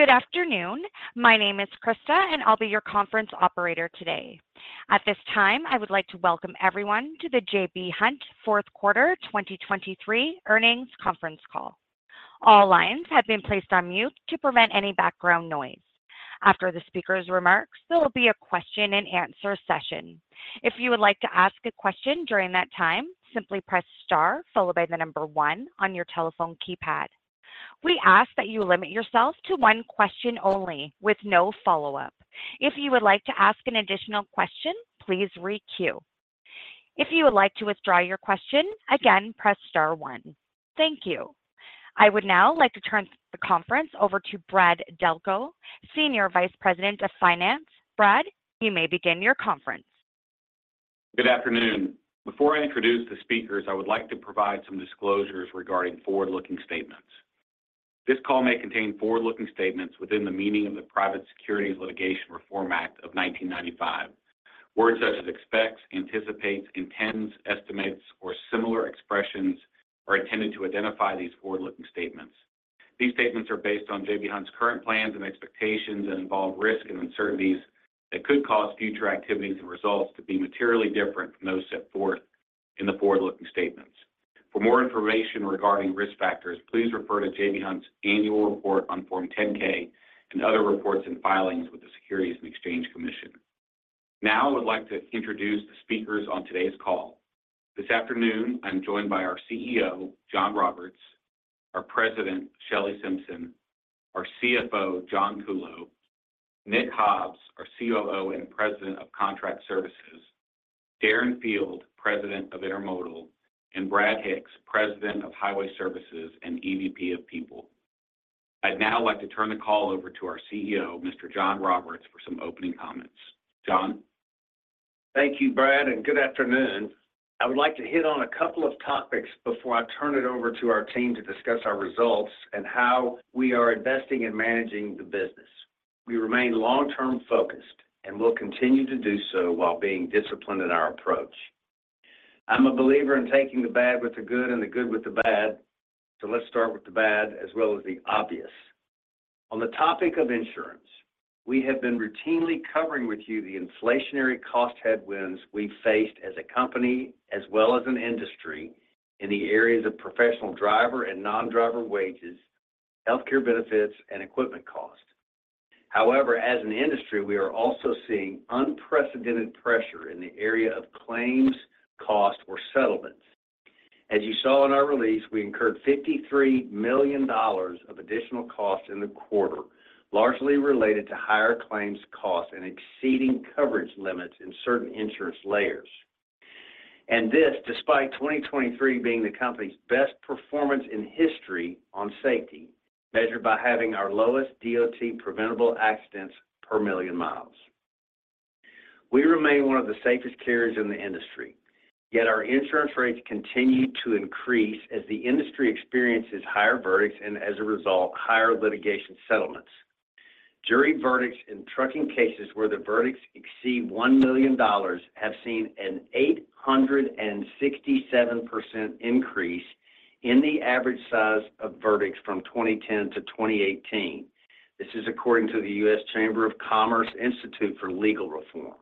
Good afternoon. My name is Krista, and I'll be your conference operator today. At this time, I would like to welcome everyone to the J.B. Hunt Fourth Quarter 2023 Earnings Conference Call. All lines have been placed on mute to prevent any background noise. After the speaker's remarks, there will be a question-and-answer session. If you would like to ask a question during that time, simply press star followed by the number one on your telephone keypad. We ask that you limit yourself to one question only with no follow-up. If you would like to ask an additional question, please re-queue. If you would like to withdraw your question, again, press star one. Thank you. I would now like to turn the conference over to Brad Delco, Senior Vice President of Finance. Brad, you may begin your conference. Good afternoon. Before I introduce the speakers, I would like to provide some disclosures regarding forward-looking statements. This call may contain forward-looking statements within the meaning of the Private Securities Litigation Reform Act of 1995. Words such as expects, anticipates, intends, estimates, or similar expressions are intended to identify these forward-looking statements. These statements are based on J.B. Hunt's current plans and expectations and involve risk and uncertainties that could cause future activities and results to be materially different from those set forth in the forward-looking statements. For more information regarding risk factors, please refer to J.B. Hunt's annual report on Form 10-K and other reports and filings with the Securities and Exchange Commission. Now, I would like to introduce the speakers on today's call. This afternoon, I'm joined by our CEO, John Roberts, our President, Shelley Simpson, our CFO, John Kuhlow, Nick Hobbs, our COO and President of Contract Services, Darren Field, President of Intermodal, and Brad Hicks, President of Highway Services and EVP of People. I'd now like to turn the call over to our CEO, Mr. John Roberts, for some opening comments. John? Thank you, Brad, and good afternoon. I would like to hit on a couple of topics before I turn it over to our team to discuss our results and how we are investing and managing the business. We remain long-term focused and will continue to do so while being disciplined in our approach. I'm a believer in taking the bad with the good and the good with the bad, so let's start with the bad as well as the obvious. On the topic of insurance, we have been routinely covering with you the inflationary cost headwinds we faced as a company as well as an industry in the areas of professional driver and non-driver wages, healthcare benefits, and equipment costs. However, as an industry, we are also seeing unprecedented pressure in the area of claims, cost, or settlements. As you saw in our release, we incurred $53 million of additional costs in the quarter, largely related to higher claims costs and exceeding coverage limits in certain insurance layers. This, despite 2023 being the company's best performance in history on safety, measured by having our lowest DOT Preventable Accidents per million miles. We remain one of the safest carriers in the industry, yet our insurance rates continue to increase as the industry experiences higher verdicts and, as a result, higher litigation settlements. Jury verdicts in trucking cases where the verdicts exceed $1 million have seen an 867% increase in the average size of verdicts from 2010 to 2018. This is according to the U.S. Chamber of Commerce Institute for Legal Reform.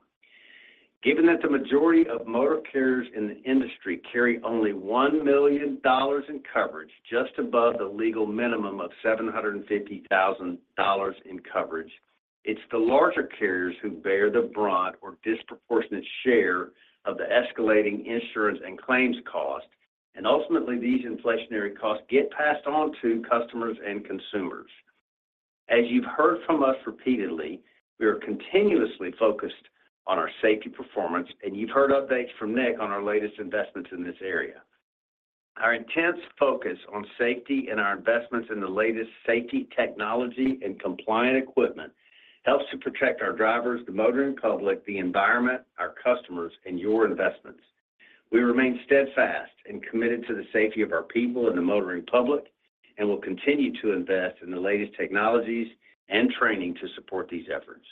Given that the majority of motor carriers in the industry carry only $1 million in coverage, just above the legal minimum of $750,000 in coverage, it's the larger carriers who bear the brunt or disproportionate share of the escalating insurance and claims cost, and ultimately, these inflationary costs get passed on to customers and consumers. As you've heard from us repeatedly, we are continuously focused on our safety performance, and you've heard updates from Nick on our latest investments in this area. Our intense focus on safety and our investments in the latest safety technology and compliant equipment helps to protect our drivers, the motoring public, the environment, our customers, and your investments. We remain steadfast and committed to the safety of our people and the motoring public, and will continue to invest in the latest technologies and training to support these efforts.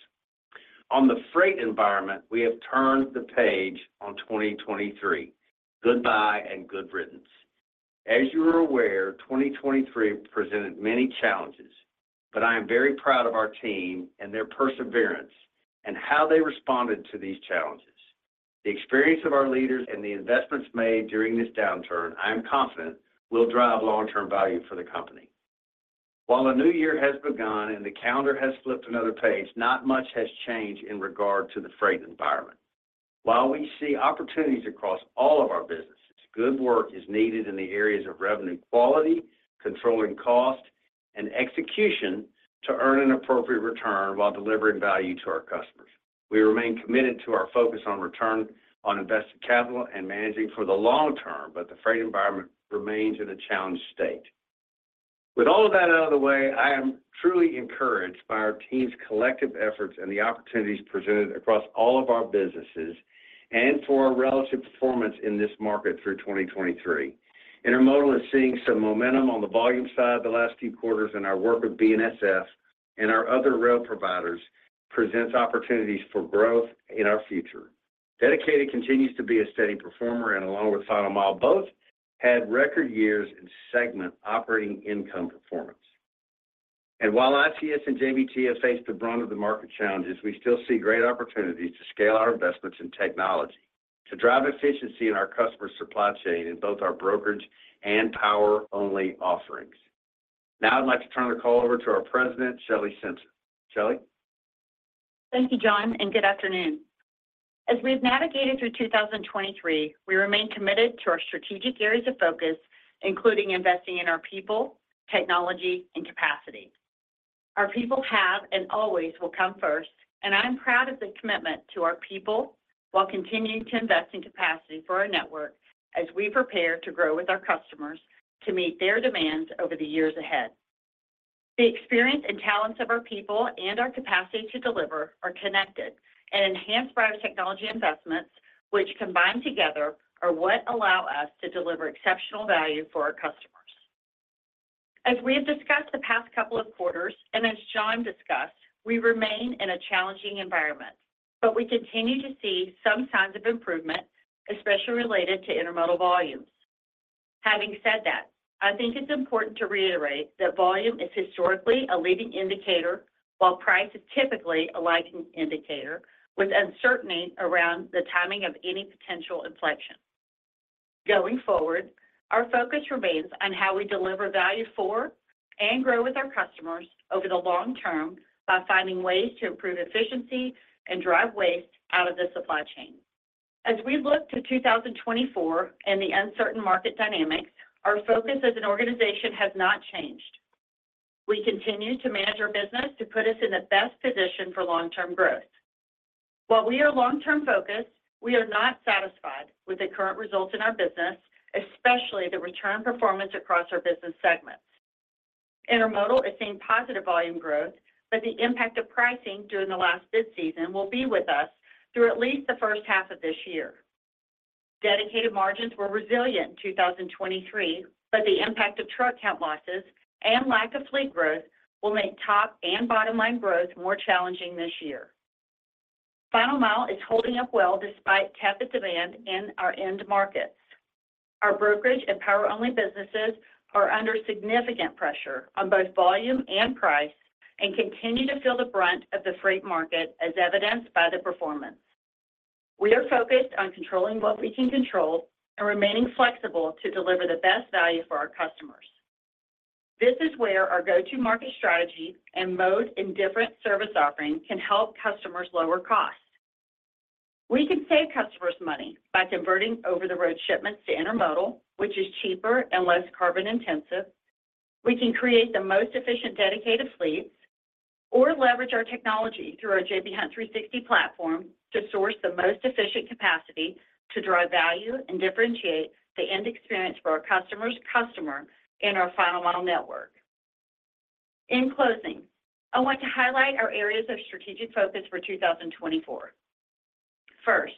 On the freight environment, we have turned the page on 2023. Goodbye and good riddance. As you are aware, 2023 presented many challenges, but I am very proud of our team and their perseverance and how they responded to these challenges. The experience of our leaders and the investments made during this downturn, I am confident, will drive long-term value for the company. While a new year has begun and the calendar has flipped another page, not much has changed in regard to the freight environment. While we see opportunities across all of our businesses, good work is needed in the areas of revenue quality, controlling cost, and execution to earn an appropriate return while delivering value to our customers. We remain committed to our focus on return on invested capital and managing for the long term, but the freight environment remains in a challenged state. With all of that out of the way, I am truly encouraged by our team's collective efforts and the opportunities presented across all of our businesses and for our relative performance in this market through 2023. Intermodal is seeing some momentum on the volume side the last few quarters, and our work with BNSF and our other rail providers presents opportunities for growth in our future. Dedicated continues to be a steady performer, and along with Final Mile, both had record years in segment operating income performance. While ICS and JBT have faced the brunt of the market challenges, we still see great opportunities to scale our investments in technology, to drive efficiency in our customer supply chain in both our brokerage and power-only offerings. Now, I'd like to turn the call over to our President, Shelley Simpson. Shelley? Thank you, John, and good afternoon. As we've navigated through 2023, we remain committed to our strategic areas of focus, including investing in our people, technology, and capacity. Our people have, and always will come first, and I'm proud of the commitment to our people while continuing to invest in capacity for our network as we prepare to grow with our customers to meet their demands over the years ahead. The experience and talents of our people and our capacity to deliver are connected and enhanced by our technology investments, which combined together, are what allow us to deliver exceptional value for our customers. As we have discussed the past couple of quarters, and as John discussed, we remain in a challenging environment, but we continue to see some signs of improvement, especially related to Intermodal volumes. Having said that, I think it's important to reiterate that volume is historically a leading indicator, while price is typically a lagging indicator, with uncertainty around the timing of any potential inflection. Going forward, our focus remains on how we deliver value for and grow with our customers over the long term by finding ways to improve efficiency and drive waste out of the supply chain. As we look to 2024 and the uncertain market dynamics, our focus as an organization has not changed. We continue to manage our business to put us in the best position for long-term growth. While we are long-term focused, we are not satisfied with the current results in our business, especially the return performance across our business segments. Intermodal is seeing positive volume growth, but the impact of pricing during the last bid season will be with us through at least the first half of this year. Dedicated margins were resilient in 2023, but the impact of truck count losses and lack of fleet growth will make top- and bottom-line growth more challenging this year. Final Mile is holding up well despite tepid demand in our end markets. Our brokerage and power-only businesses are under significant pressure on both volume and price and continue to feel the brunt of the freight market, as evidenced by the performance. We are focused on controlling what we can control and remaining flexible to deliver the best value for our customers. This is where our go-to-market strategy and mode-indifferent service offering can help customers lower costs. We can save customers money by converting over-the-road shipments to Intermodal, which is cheaper and less carbon-intensive. We can create the most efficient dedicated fleet or leverage our technology through our J.B. Hunt 360 platform to source the most efficient capacity to drive value and differentiate the end experience for our customers' customers in our Final Mile network. In closing, I want to highlight our areas of strategic focus for 2024. First,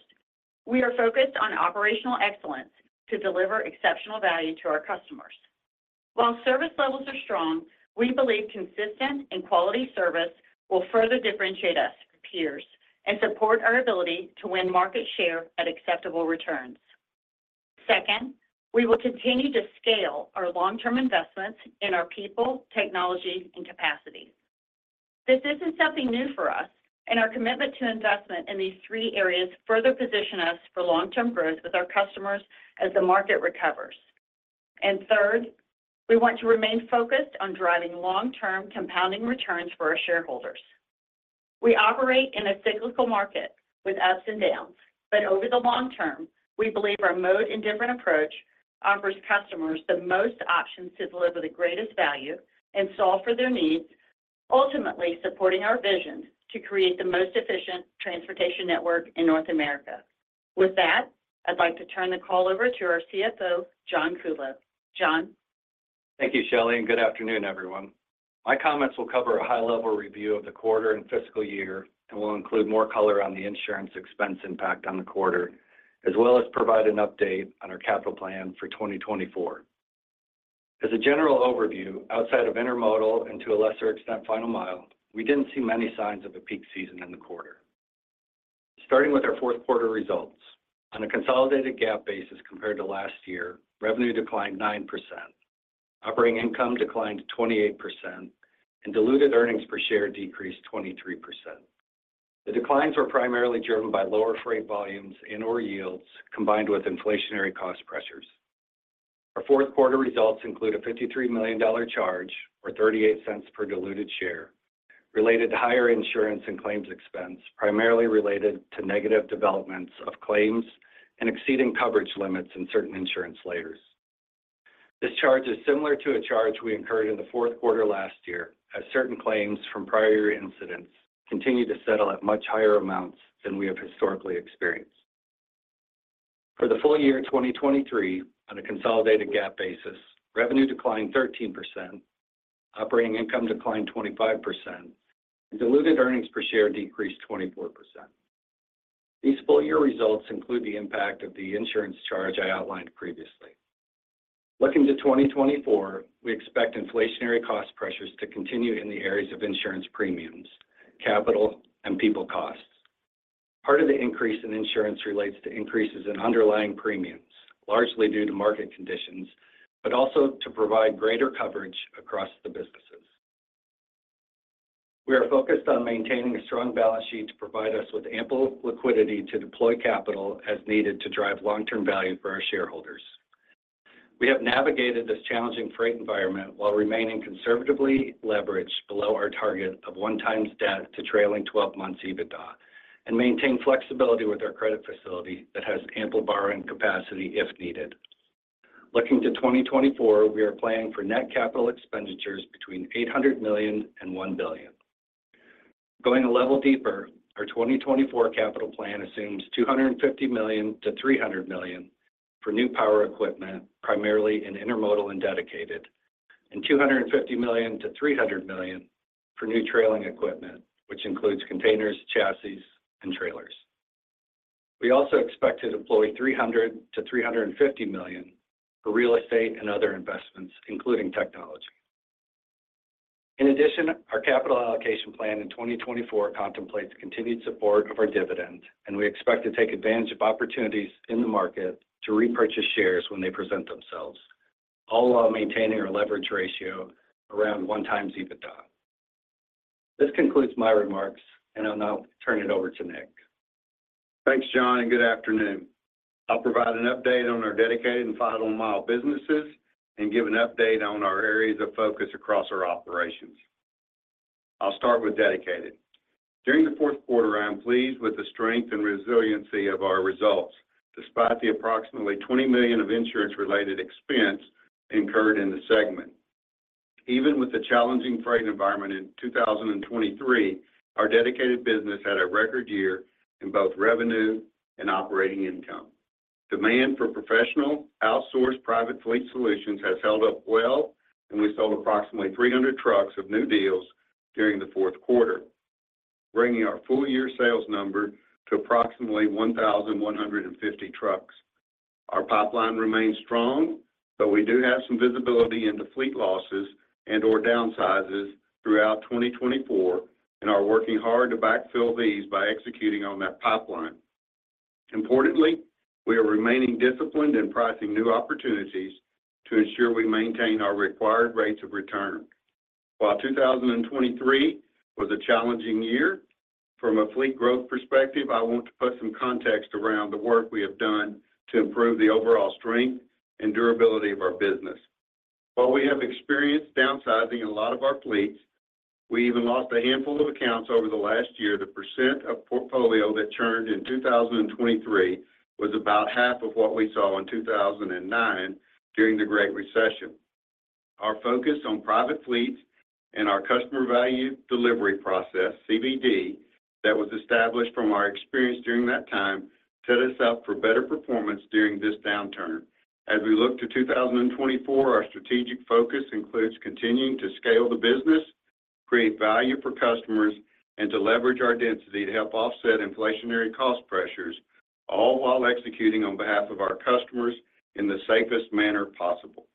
we are focused on operational excellence to deliver exceptional value to our customers. While service levels are strong, we believe consistent and quality service will further differentiate us from peers and support our ability to win market share at acceptable returns. Second, we will continue to scale our long-term investments in our people, technology, and capacity. This isn't something new for us, and our commitment to investment in these three areas further positions us for long-term growth with our customers as the market recovers. And third, we want to remain focused on driving long-term compounding returns for our shareholders. We operate in a cyclical market with ups and downs, but over the long term, we believe our mode-indifferent approach offers customers the most options to deliver the greatest value and solve for their needs, ultimately supporting our vision to create the most efficient transportation network in North America. With that, I'd like to turn the call over to our CFO, John Kuhlow. John? Thank you, Shelley, and good afternoon, everyone. My comments will cover a high-level review of the quarter and fiscal year and will include more color on the insurance expense impact on the quarter, as well as provide an update on our capital plan for 2024. As a general overview, outside of Intermodal and to a lesser extent, Final Mile, we didn't see many signs of a peak season in the quarter. Starting with our fourth quarter results, on a consolidated GAAP basis compared to last year, revenue declined 9%, operating income declined 28%, and diluted earnings per share decreased 23%. The declines were primarily driven by lower freight volumes and, or yields, combined with inflationary cost pressures. Our fourth quarter results include a $53 million charge, or $0.38 per diluted share, related to higher insurance and claims expense, primarily related to negative developments of claims and exceeding coverage limits in certain insurance layers. This charge is similar to a charge we incurred in the fourth quarter last year, as certain claims from prior incidents continued to settle at much higher amounts than we have historically experienced. For the full year 2023, on a consolidated GAAP basis, revenue declined 13%, operating income declined 25%, and diluted earnings per share decreased 24%. These full-year results include the impact of the insurance charge I outlined previously. Looking to 2024, we expect inflationary cost pressures to continue in the areas of insurance premiums, capital, and people costs. Part of the increase in insurance relates to increases in underlying premiums, largely due to market conditions, but also to provide greater coverage across the businesses. We are focused on maintaining a strong balance sheet to provide us with ample liquidity to deploy capital as needed to drive long-term value for our shareholders. We have navigated this challenging freight environment while remaining conservatively leveraged below our target of 1x debt to trailing 12 months EBITDA, and maintain flexibility with our credit facility that has ample borrowing capacity if needed. Looking to 2024, we are planning for net capital expenditures between $800 million and $1 billion. Going a level deeper, our 2024 Capital Plan assumes $250 million to $300 million for new power equipment, primarily in Intermodal and Dedicated, and $250 million to $300 million for new trailing equipment, which includes containers, chassis, and trailers. We also expect to deploy $300 million to $350 million for real estate and other investments, including technology. In addition, our capital allocation plan in 2024 contemplates continued support of our dividend, and we expect to take advantage of opportunities in the market to repurchase shares when they present themselves, all while maintaining our leverage ratio around 1x EBITDA. This concludes my remarks, and I'll now turn it over to Nick. Thanks, John, and good afternoon. I'll provide an update on our Dedicated and Final Mile businesses and give an update on our areas of focus across our operations. I'll start with Dedicated. During the fourth quarter, I am pleased with the strength and resiliency of our results, despite the approximately $20 million of insurance-related expense incurred in the segment. Even with the challenging freight environment in 2023, our Dedicated business had a record year in both revenue and operating income. Demand for professional, outsourced, private fleet solutions has held up well, and we sold approximately 300 trucks of new deals during the fourth quarter, bringing our full-year sales number to approximately 1,150 trucks. Our pipeline remains strong, but we do have some visibility into fleet losses and/or downsizes throughout 2024 and are working hard to backfill these by executing on that pipeline. Importantly, we are remaining disciplined in pricing new opportunities to ensure we maintain our required rates of return. While 2023 was a challenging year from a fleet growth perspective, I want to put some context around the work we have done to improve the overall strength and durability of our business. While we have experienced downsizing in a lot of our fleets, we even lost a handful of accounts over the last year, the percent of portfolio that churned in 2023 was about half of what we saw in 2009 during the Great Recession. Our focus on private fleets and our Customer Value Delivery process, CVD, that was established from our experience during that time, set us up for better performance during this downturn. As we look to 2024, our strategic focus includes continuing to scale the business, create value for customers, and to leverage our density to help offset inflationary cost pressures, all while executing on behalf of our customers in the safest manner possible.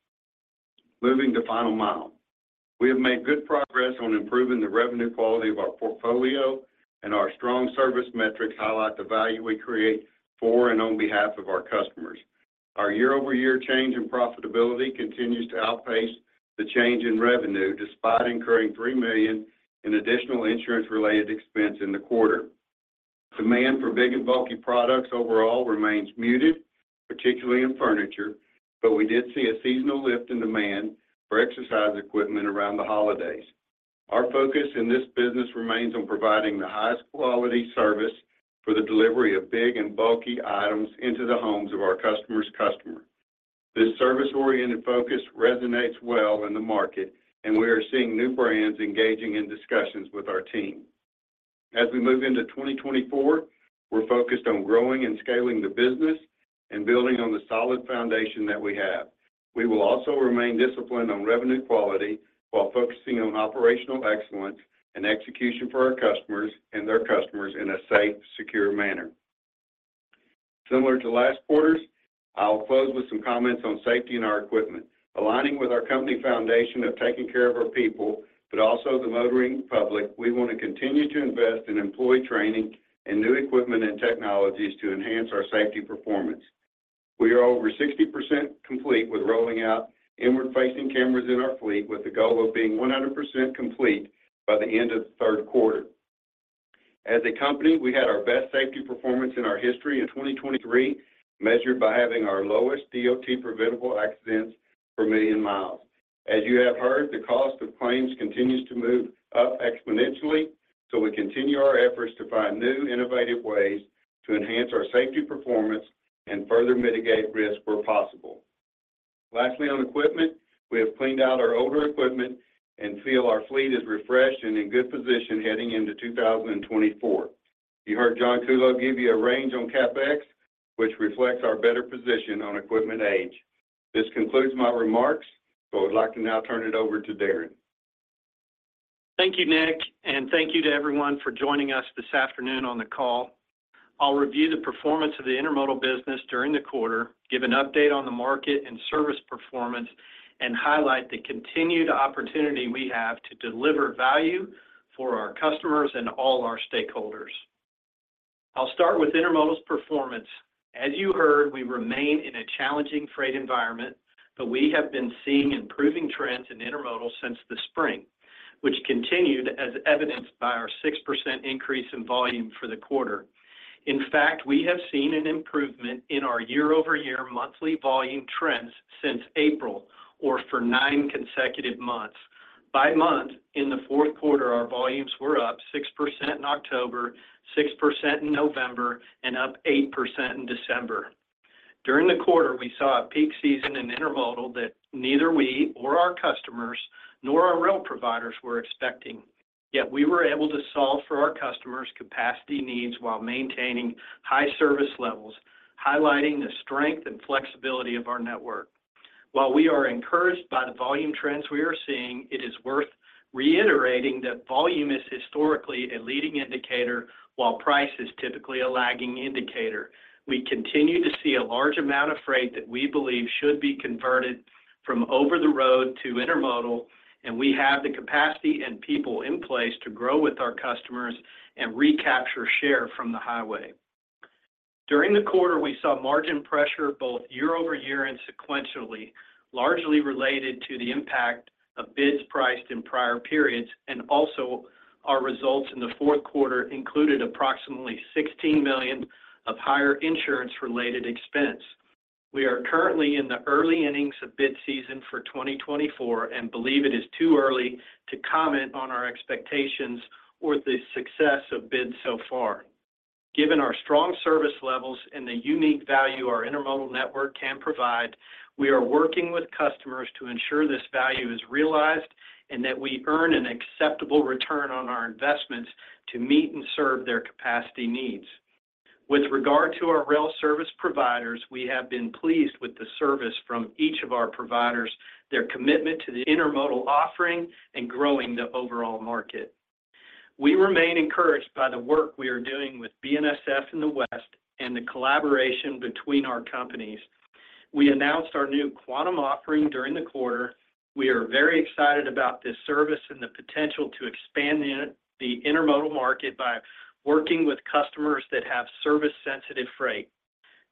Moving to Final Mile. We have made good progress on improving the revenue quality of our portfolio, and our strong service metrics highlight the value we create for and on behalf of our customers. Our year-over-year change in profitability continues to outpace the change in revenue, despite incurring $3 million in additional insurance-related expense in the quarter. Demand for big and bulky products overall remains muted, particularly in furniture, but we did see a seasonal lift in demand for exercise equipment around the holidays. Our focus in this business remains on providing the highest quality service for the delivery of big and bulky items into the homes of our customers' customers. This service-oriented focus resonates well in the market, and we are seeing new brands engaging in discussions with our team. As we move into 2024, we're focused on growing and scaling the business and building on the solid foundation that we have. We will also remain disciplined on revenue quality while focusing on operational excellence and execution for our customers and their customers in a safe, secure manner. Similar to last quarters, I will close with some comments on safety in our equipment. Aligning with our company foundation of taking care of our people, but also the motoring public, we want to continue to invest in employee training and new equipment and technologies to enhance our safety performance. We are over 60% complete with rolling out inward-facing cameras in our fleet, with the goal of being 100% complete by the end of the third quarter. As a company, we had our best safety performance in our history in 2023, measured by having our lowest DOT Preventable Accidents per million miles. As you have heard, the cost of claims continues to move up exponentially, so we continue our efforts to find new, innovative ways to enhance our safety performance and further mitigate risk where possible. Lastly, on equipment, we have cleaned out our older equipment and feel our fleet is refreshed and in good position heading into 2024. You heard John Kuhlow give you a range on CapEx, which reflects our better position on equipment age. This concludes my remarks, but I would like to now turn it over to Darren. Thank you, Nick, and thank you to everyone for joining us this afternoon on the call. I'll review the performance of the Intermodal business during the quarter, give an update on the market and service performance, and highlight the continued opportunity we have to deliver value for our customers and all our stakeholders. I'll start with Intermodal's performance. As you heard, we remain in a challenging freight environment, but we have been seeing improving trends in Intermodal since the spring, which continued as evidenced by our 6% increase in volume for the quarter. In fact, we have seen an improvement in our year-over-year monthly volume trends since April, or for nine consecutive months. By month, in the fourth quarter, our volumes were up 6% in October, 6% in November, and up 8% in December. During the quarter, we saw a peak season in Intermodal that neither we or our customers, nor our rail providers were expecting. Yet we were able to solve for our customers' capacity needs while maintaining high service levels, highlighting the strength and flexibility of our network. While we are encouraged by the volume trends we are seeing, it is worth reiterating that volume is historically a leading indicator, while price is typically a lagging indicator. We continue to see a large amount of freight that we believe should be converted from over-the-road to Intermodal, and we have the capacity and people in place to grow with our customers and recapture share from the highway. During the quarter, we saw margin pressure, both year-over-year and sequentially, largely related to the impact of bids priced in prior periods, and also our results in the fourth quarter included approximately $16 million of higher insurance-related expense. We are currently in the early innings of bid season for 2024, and believe it is too early to comment on our expectations or the success of bids so far. Given our strong service levels and the unique value our Intermodal network can provide, we are working with customers to ensure this value is realized and that we earn an acceptable return on our investments to meet and serve their capacity needs. With regard to our rail service providers, we have been pleased with the service from each of our providers, their commitment to the Intermodal offering, and growing the overall market. We remain encouraged by the work we are doing with BNSF in the West and the collaboration between our companies. We announced our new Quantum offering during the quarter. We are very excited about this service and the potential to expand the Intermodal market by working with customers that have service-sensitive freight.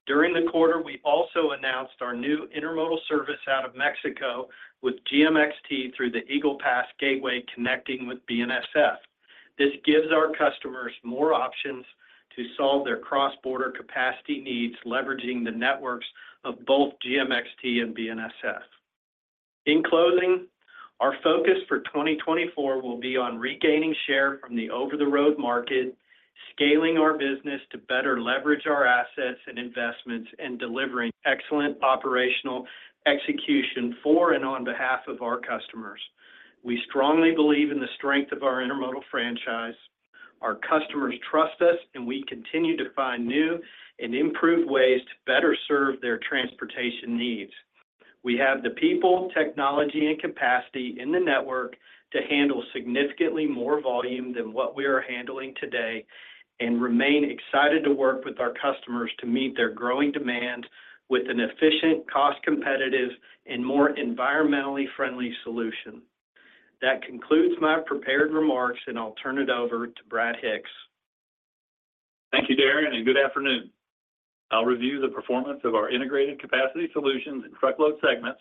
During the quarter, we also announced our new Intermodal service out of Mexico with GMXT through the Eagle Pass gateway, connecting with BNSF. This gives our customers more options to solve their cross-border capacity needs, leveraging the networks of both GMXT and BNSF. In closing, our focus for 2024 will be on regaining share from the over-the-road market, scaling our business to better leverage our assets and investments, and delivering excellent operational execution for and on behalf of our customers. We strongly believe in the strength of our Intermodal franchise. Our customers trust us, and we continue to find new and improved ways to better serve their transportation needs. We have the people, technology, and capacity in the network to handle significantly more volume than what we are handling today, and remain excited to work with our customers to meet their growing demand with an efficient, cost competitive, and more environmentally friendly solution. That concludes my prepared remarks, and I'll turn it over to Brad Hicks. Thank you, Darren, and good afternoon. I'll review the performance of our integrated capacity solutions and truckload segments,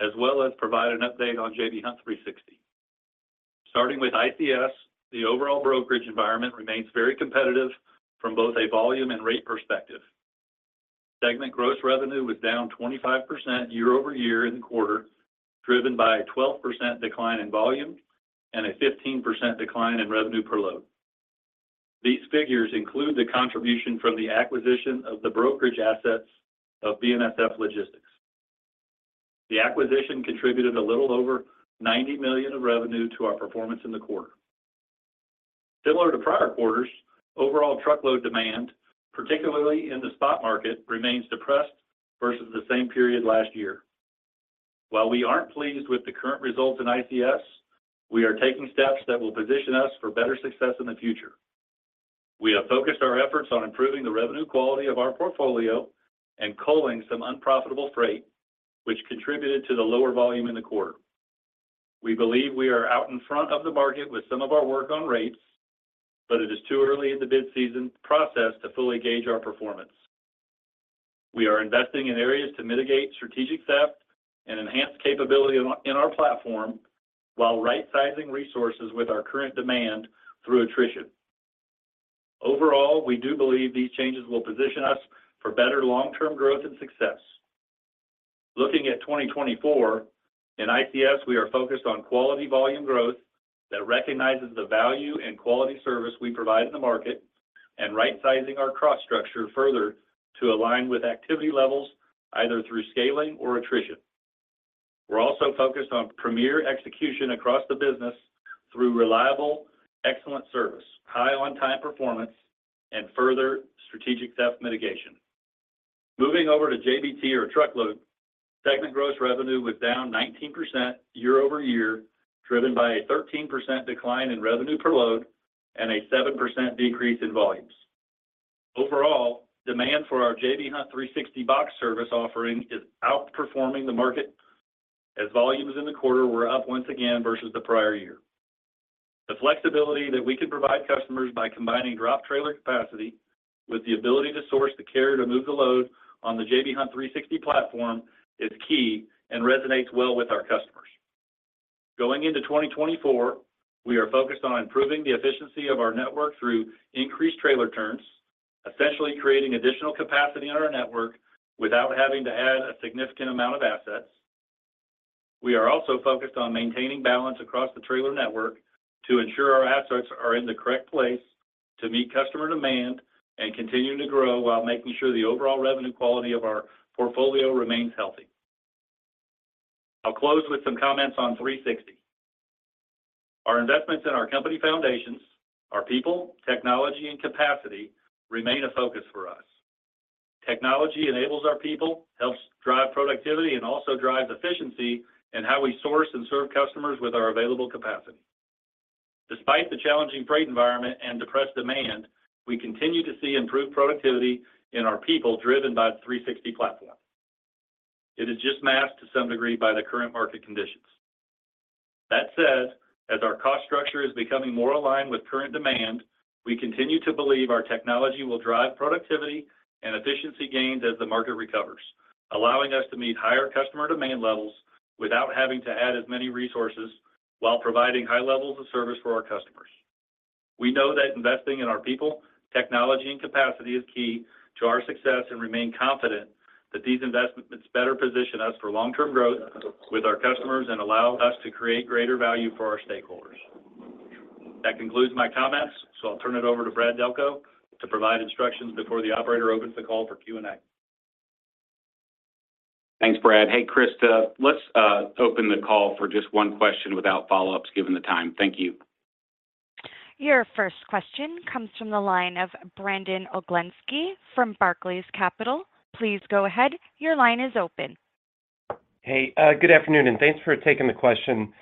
as well as provide an update on J.B. Hunt 360. Starting with ICS, the overall brokerage environment remains very competitive from both a volume and rate perspective. Segment gross revenue was down 25% year-over-year in the quarter, driven by a 12% decline in volume and a 15% decline in revenue per load. These figures include the contribution from the acquisition of the brokerage assets of BNSF Logistics. The acquisition contributed a little over $90 million of revenue to our performance in the quarter. Similar to prior quarters, overall truckload demand, particularly in the spot market, remains depressed versus the same period last year. While we aren't pleased with the current results in ICS, we are taking steps that will position us for better success in the future. We have focused our efforts on improving the revenue quality of our portfolio and culling some unprofitable freight, which contributed to the lower volume in the quarter. We believe we are out in front of the market with some of our work on rates, but it is too early in the bid season process to fully gauge our performance. We are investing in areas to mitigate strategic theft and enhance capability in our platform, while right-sizing resources with our current demand through attrition. Overall, we do believe these changes will position us for better long-term growth and success. Looking at 2024, in ICS, we are focused on quality volume growth that recognizes the value and quality service we provide in the market, and right-sizing our cost structure further to align with activity levels, either through scaling or attrition. We're also focused on premier execution across the business through reliable, excellent service, high on-time performance, and further strategic theft mitigation. Moving over to JBT or truckload, segment gross revenue was down 19% year-over-year, driven by a 13% decline in revenue per load and a 7% decrease in volumes. Overall, demand for our J.B. Hunt 360box service offering is outperforming the market, as volumes in the quarter were up once again versus the prior year. The flexibility that we can provide customers by combining drop trailer capacity with the ability to source the carrier to move the load on the J.B. Hunt 360 platform is key and resonates well with our customers. Going into 2024, we are focused on improving the efficiency of our network through increased trailer turns, essentially creating additional capacity on our network without having to add a significant amount of assets. We are also focused on maintaining balance across the trailer network to ensure our assets are in the correct place to meet customer demand and continue to grow while making sure the overall revenue quality of our portfolio remains healthy. I'll close with some comments on 360. Our investments in our company foundations, our people, technology, and capacity, remain a focus for us. Technology enables our people, helps drive productivity, and also drives efficiency in how we source and serve customers with our available capacity. Despite the challenging freight environment and depressed demand, we continue to see improved productivity in our people, driven by the 360 platform. It is just masked to some degree by the current market conditions. That said, as our cost structure is becoming more aligned with current demand, we continue to believe our technology will drive productivity and efficiency gains as the market recovers, allowing us to meet higher customer demand levels without having to add as many resources, while providing high levels of service for our customers. We know that investing in our people, technology, and capacity is key to our success and remain confident that these investments better position us for long-term growth with our customers and allow us to create greater value for our stakeholders. That concludes my comments, so I'll turn it over to Brad Delco to provide instructions before the operator opens the call for Q&A. Thanks, Brad. Hey, Krista, let's open the call for just one question without follow-ups, given the time. Thank you. Your first question comes from the line of Brandon Oglenski from Barclays Capital. Please go ahead. Your line is open. Hey, good afternoon, and thanks for taking the question.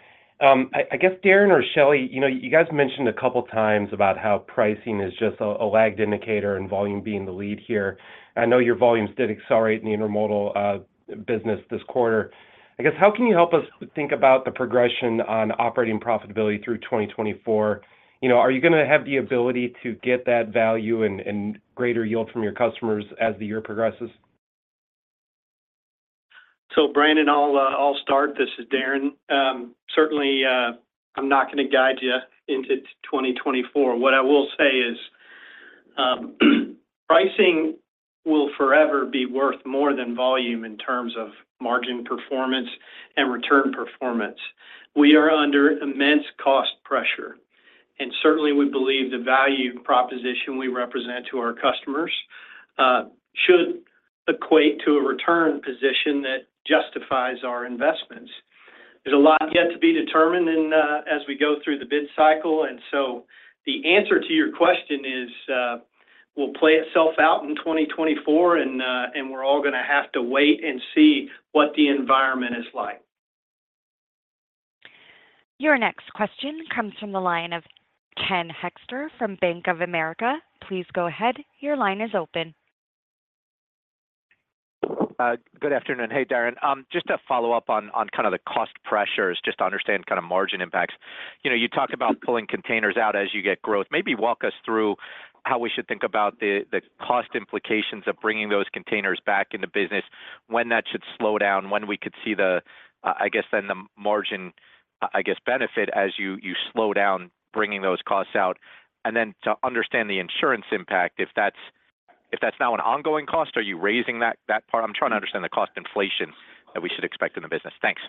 I guess, Darren or Shelley, you know, you guys mentioned a couple times about how pricing is just a lagged indicator and volume being the lead here. I know your volumes did accelerate in the Intermodal business this quarter. I guess, how can you help us think about the progression on operating profitability through 2024? You know, are you going to have the ability to get that value and greater yield from your customers as the year progresses? So, Brandon, I'll start. This is Darren. Certainly, I'm not going to guide you into 2024. What I will say is, pricing will forever be worth more than volume in terms of margin performance and return performance. We are under immense cost pressure, and certainly, we believe the value proposition we represent to our customers should equate to a return position that justifies our investments. There's a lot yet to be determined in, as we go through the bid cycle, and so the answer to your question is, will play itself out in 2024, and, and we're all going to have to wait and see what the environment is like. Your next question comes from the line of Ken Hoexter from Bank of America. Please go ahead. Your line is open. Good afternoon. Hey, Darren. Just to follow up on, on kind of the cost pressures, just to understand kind of margin impacts. You know, you talked about pulling containers out as you get growth. Maybe walk us through how we should think about the, the cost implications of bringing those containers back into business, when that should slow down, when we could see the, I guess, then the margin, I, I guess, benefit as you, you slow down bringing those costs out. And then to understand the insurance impact, if that's, if that's now an ongoing cost, are you raising that, that part? I'm trying to understand the cost inflation that we should expect in the business. Thanks.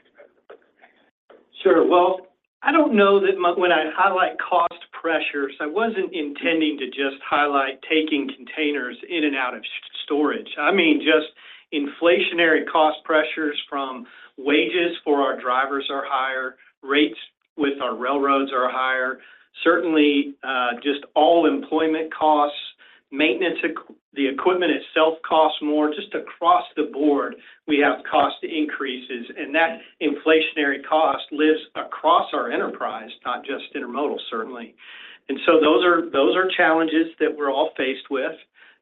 Sure. Well, I don't know that when I highlight cost pressures, I wasn't intending to just highlight taking containers in and out of storage. I mean, just inflationary cost pressures from wages for our drivers are higher, rates with our railroads are higher. Certainly, just all employment costs, maintenance, the equipment itself costs more. Just across the board, we have cost increases, and that inflationary cost lives across our enterprise, not just Intermodal, certainly. And so those are, those are challenges that we're all faced with.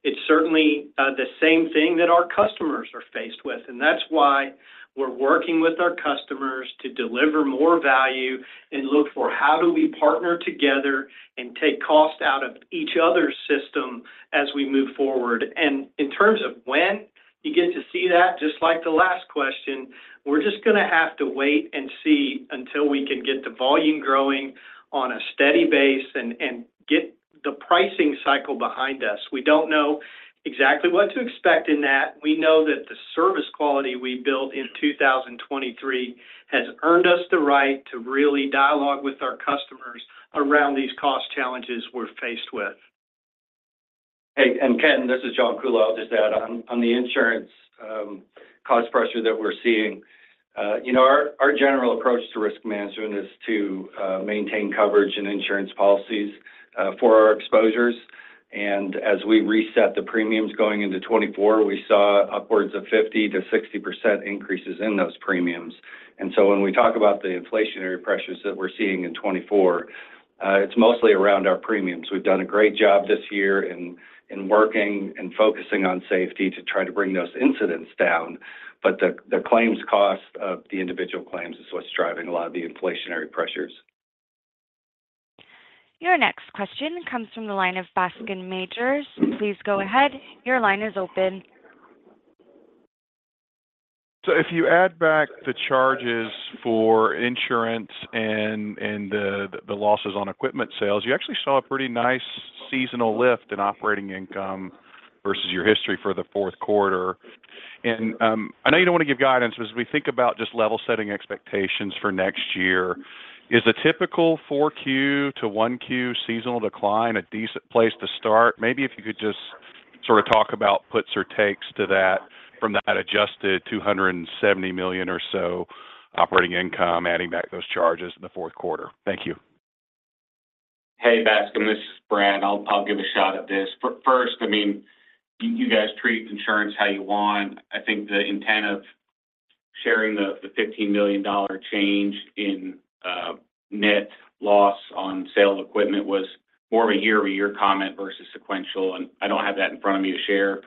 It's certainly, the same thing that our customers are faced with, and that's why we're working with our customers to deliver more value and look for how do we partner together and take costs out of each other's system as we move forward. In terms of when you get to see that, just like the last question, we're just going to have to wait and see until we can get the volume growing on a steady base and get the pricing cycle behind us. We don't know exactly what to expect in that. We know that the service quality we built in 2023 has earned us the right to really dialogue with our customers around these cost challenges we're faced with. Hey, and Ken, this is John Kuhlow. I'll just add on, on the insurance cost pressure that we're seeing, you know, our general approach to risk management is to maintain coverage and insurance policies for our exposures. And as we reset the premiums going into 2024, we saw upwards of 50%-60% increases in those premiums. And so when we talk about the inflationary pressures that we're seeing in 2024, it's mostly around our premiums. We've done a great job this year in working and focusing on safety to try to bring those incidents down, but the claims cost of the individual claims is what's driving a lot of the inflationary pressures. Your next question comes from the line of Bascome Majors. Please go ahead. Your line is open. So if you add back the charges for insurance and the losses on equipment sales, you actually saw a pretty nice seasonal lift in operating income versus your history for the fourth quarter. And I know you don't want to give guidance. As we think about just level setting expectations for next year, is a typical 4Q to 1Q seasonal decline a decent place to start? Maybe if you could just sort of talk about puts or takes to that from that adjusted $270 million or so operating income, adding back those charges in the fourth quarter. Thank you. Hey, Bascome, this is Brad. I'll give a shot at this. First, I mean, you guys treat insurance how you want. I think the intent of sharing the $15 million change in net loss on sale of equipment was more of a year-over-year comment versus sequential, and I don't have that in front of me to share.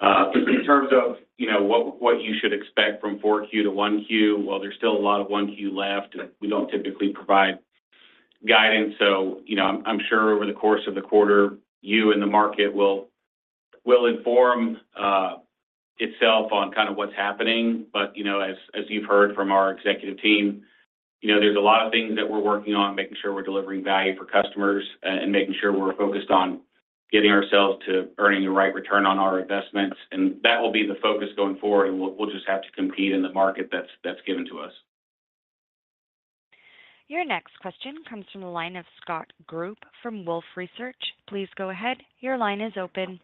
But in terms of, you know, what you should expect from 4Q to 1Q, while there's still a lot of 1Q left, we don't typically provide guidance. So, you know, I'm sure over the course of the quarter, you and the market will inform itself on kind of what's happening. You know, as you've heard from our executive team, you know, there's a lot of things that we're working on, making sure we're delivering value for customers, and making sure we're focused on getting ourselves to earning the right return on our investments. That will be the focus going forward, and we'll just have to compete in the market that's given to us. Your next question comes from the line of Scott Group from Wolfe Research. Please go ahead. Your line is open.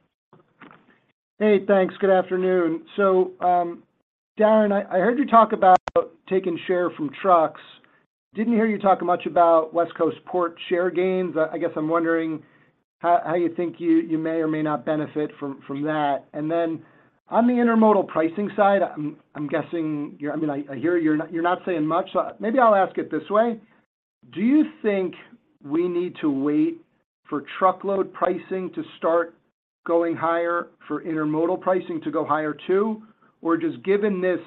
Hey, thanks. Good afternoon. So, Darren, I heard you talk about taking share from trucks. Didn't hear you talk much about West Coast port share gains. I guess I'm wondering how you think you may or may not benefit from that. And then on the Intermodal pricing side, I'm guessing, I mean, I hear you're not saying much, so maybe I'll ask it this way: Do you think we need to wait for truckload pricing to start going higher for Intermodal pricing to go higher too? Or just given this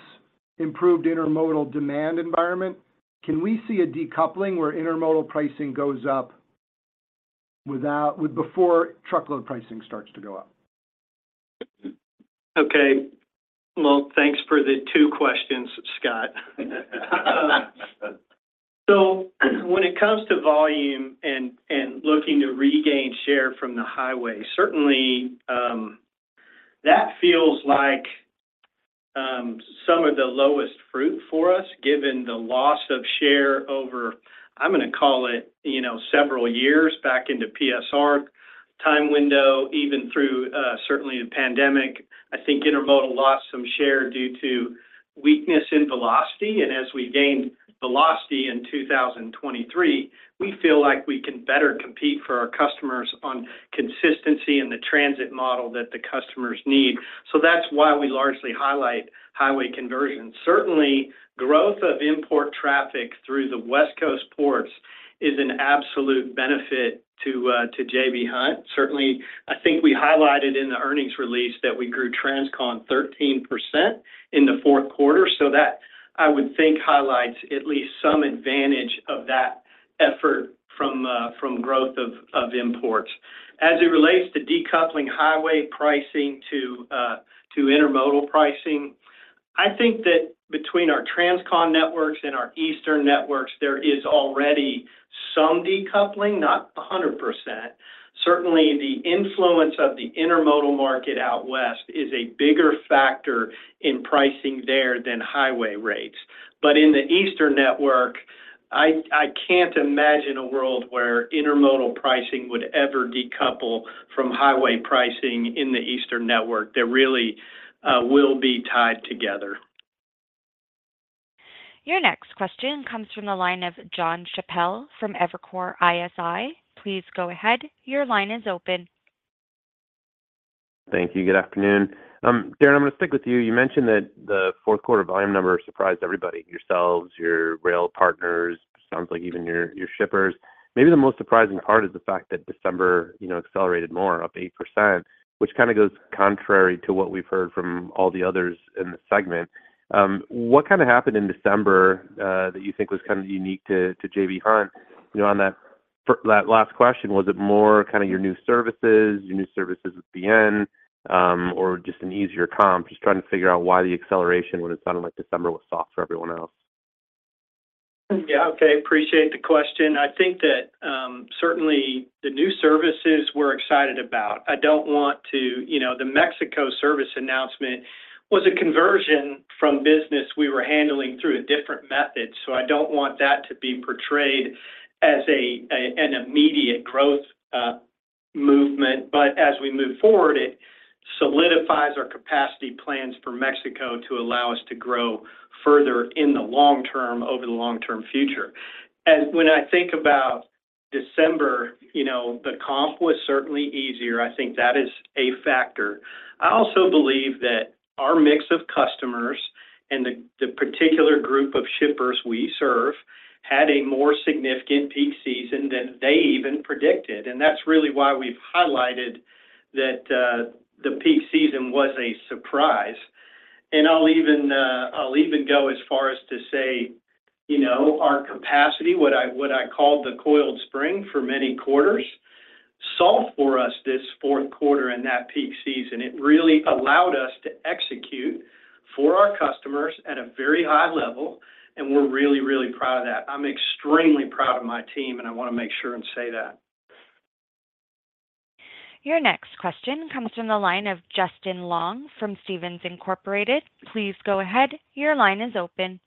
improved Intermodal demand environment, can we see a decoupling where Intermodal pricing goes up without-with before truckload pricing starts to go up? Okay. Well, thanks for the two questions, Scott. So when it comes to volume and, and looking to regain share from the highway, certainly, that feels like some of the lowest fruit for us, given the loss of share over, I'm going to call it, you know, several years back into PSR time window, even through certainly the pandemic. I think Intermodal lost some share due to weakness in velocity, and as we gained velocity in 2023, we feel like we can better compete for our customers on consistency in the transit model that the customers need. So that's why we largely highlight highway conversion. Certainly, growth of import traffic through the West Coast ports is an absolute benefit to, to J.B. Hunt. Certainly, I think we highlighted in the earnings release that we grew Transcon 13% in the fourth quarter. So that, I would think, highlights at least some advantage of that effort from growth of imports. As it relates to decoupling highway pricing to Intermodal pricing, I think that between our Transcon networks and our eastern networks, there is already some decoupling, not 100%. Certainly, the influence of the Intermodal market out west is a bigger factor in pricing there than highway rates. But in the eastern network, I, I can't imagine a world where Intermodal pricing would ever decouple from highway pricing in the eastern network. They really will be tied together. Your next question comes from the line of Jon Chappell from Evercore ISI. Please go ahead. Your line is open. Thank you. Good afternoon. Darren, I'm going to stick with you. You mentioned that the fourth quarter volume number surprised everybody, yourselves, your rail partners, sounds like even your shippers. Maybe the most surprising part is the fact that December, you know, accelerated more, up 8%, which kind of goes contrary to what we've heard from all the others in the segment. What kind of happened in December that you think was kind of unique to J.B. Hunt? You know, on that, that last question, was it more kind of your new services, your new services at the end, or just an easier comp? Just trying to figure out why the acceleration when it sounded like December was soft for everyone else. Appreciate the question. I think that certainly the new services we're excited about. I don't want to, the Mexico service announcement was a conversion from business we were handling through a different method, so I don't want that to be portrayed as an immediate growth movement, but as we move forward, it solidifies our capacity plans for Mexico to allow us to grow further in the long term, over the long-term future. And when I think about December, you know, the comp was certainly easier. I think that is a factor. I also believe that our mix of customers and the particular group of shippers we serve had a more significant peak season than they even predicted, and that's really why we've highlighted that the peak season was a surprise. I'll even go as far as to say, you know, our capacity, what I called the coiled spring for many quarters, solved for us this fourth quarter and that peak season. It really allowed us to execute for our customers at a very high level, and we're really, really proud of that. I'm extremely proud of my team, and I want to make sure and say that. Your next question comes from the line of Justin Long from Stephens Incorporated. Please go ahead. Your line is open.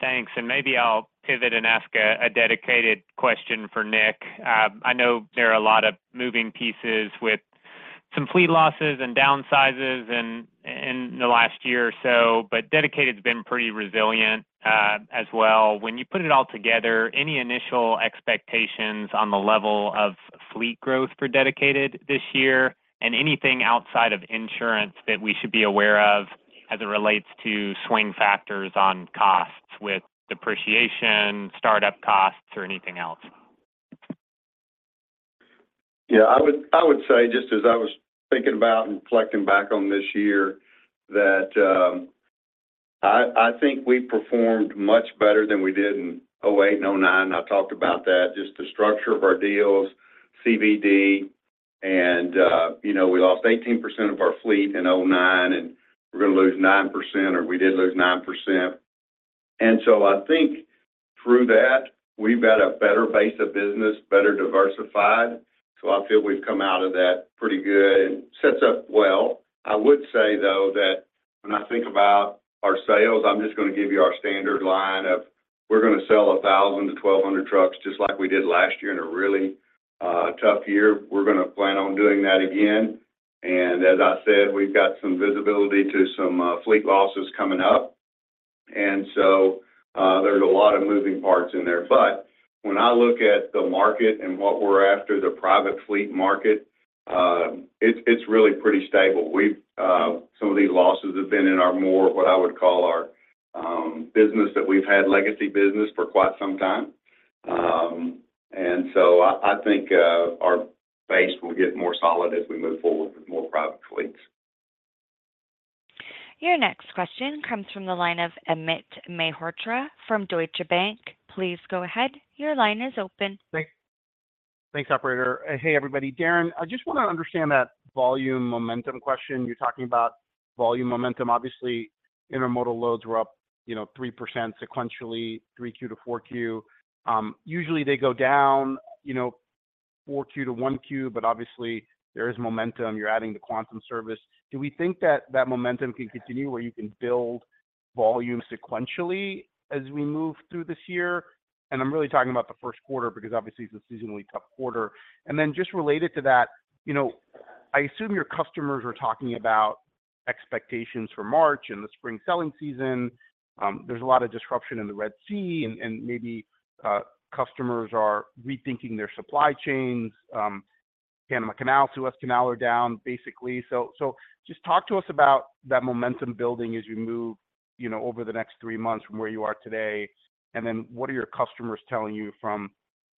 Thanks. Maybe I'll pivot and ask a Dedicated question for Nick. I know there are a lot of moving pieces with some fleet losses and downsizes in the last year or so, but Dedicated has been pretty resilient, as well. When you put it all together, any initial expectations on the level of fleet growth for Dedicated this year? And anything outside of insurance that we should be aware of as it relates to swing factors on costs, with depreciation, startup costs, or anything else? I would say, just as I was thinking about and reflecting back on this year, that, I, I think we performed much better than we did in 2008 and 2009. I talked about that, just the structure of our deals, CVD, and we lost 18% of our fleet in 2009, and we're going to lose 9%, or we did lose 9%. And so I think through that, we've got a better base of business, better diversified, so I feel we've come out of that pretty good and sets up well. I would say, though, that when I think about our sales, I'm just going to give you our standard line of we're going to sell 1,000-1,200 trucks, just like we did last year in a really, tough year. We're going to plan on doing that again, and as I said, we've got some visibility to some fleet losses coming up, and so there's a lot of moving parts in there. But when I look at the market and what we're after, the private fleet market, it's really pretty stable. Some of these losses have been in our more, what I would call our business that we've had, legacy business, for quite some time. And so I think our base will get more solid as we move forward with more private fleets. Your next question comes from the line of Amit Mehrotra from Deutsche Bank. Please go ahead. Your line is open. Thanks. Thanks, operator. Hey, everybody. Darren, I just want to understand that volume momentum question. You're talking about volume momentum. Obviously, Intermodal loads were up, you know, 3% sequentially, 3Q-4Q. Usually, they go down, you know, 4Q-1Q, but obviously, there is momentum. You're adding the Quantum service. Do we think that momentum can continue, where you can build volume sequentially as we move through this year? And I'm really talking about the first quarter, because obviously, it's a seasonally tough quarter. And then, just related to that I assume your customers are talking about expectations for March and the spring selling season. There's a lot of disruption in the Red Sea, and maybe customers are rethinking their supply chains. The Panama Canal, Suez Canal are down, basically. So just talk to us about that momentum building as you move, you know, over the next three months from where you are today. And then, what are your customers telling you from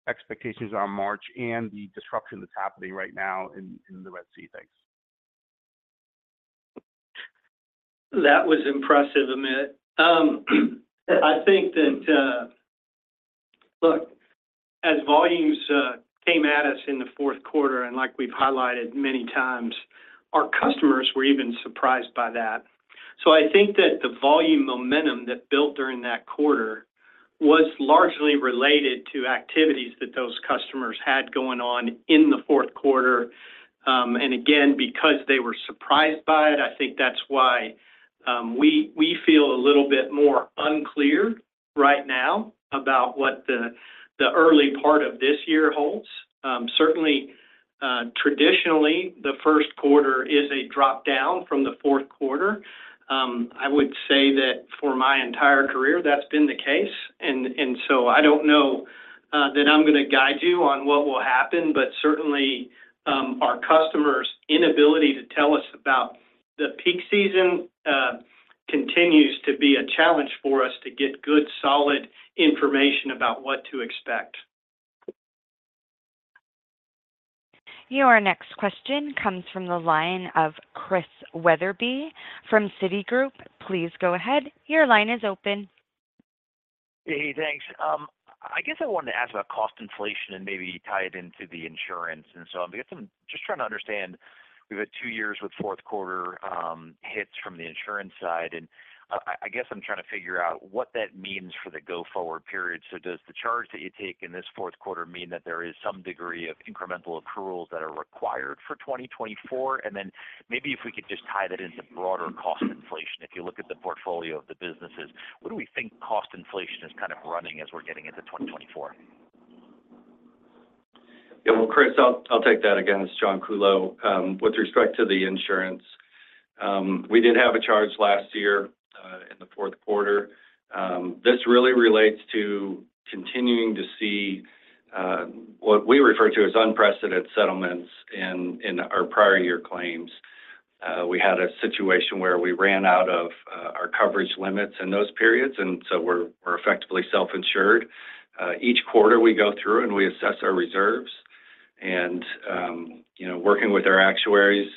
expectations on March and the disruption that's happening right now in the Red Sea? Thanks. That was impressive, Amit. Look, as volumes came at us in the fourth quarter, and like we've highlighted many times, our customers were even surprised by that. So I think that the volume momentum that built during that quarter was largely related to activities that those customers had going on in the fourth quarter. And again, because they were surprised by it, I think that's why we feel a little bit more unclear right now about what the early part of this year holds. Certainly, traditionally, the first quarter is a drop-down from the fourth quarter. I would say that for my entire career, that's been the case, and so I don't know that I'm going to guide you on what will happen, but certainly, our customers' inability to tell us about the peak season continues to be a challenge for us to get good, solid information about what to expect. Your next question comes from the line of Chris Wetherbee from Citigroup. Please go ahead. Your line is open. Hey, thanks. I guess I wanted to ask about cost inflation and maybe tie it into the insurance. I guess I'm just trying to understand, we've had 2 years with fourth-quarter hits from the insurance side, and I guess I'm trying to figure out what that means for the go-forward period. So does the charge that you take in this fourth quarter mean that there is some degree of incremental accruals that are required for 2024? And then maybe if we could just tie that into broader cost inflation, if you look at the portfolio of the businesses, what do we think cost inflation is kind of running as we're getting into 2024? Well, Chris, I'll take that again. It's John Kuhlow. With respect to the insurance, we did have a charge last year in the fourth quarter. This really relates to continuing to see what we refer to as unprecedented settlements in our prior year claims. We had a situation where we ran out of our coverage limits in those periods, and so we're effectively self-insured. Each quarter, we go through and we assess our reserves. And you know, working with our actuaries,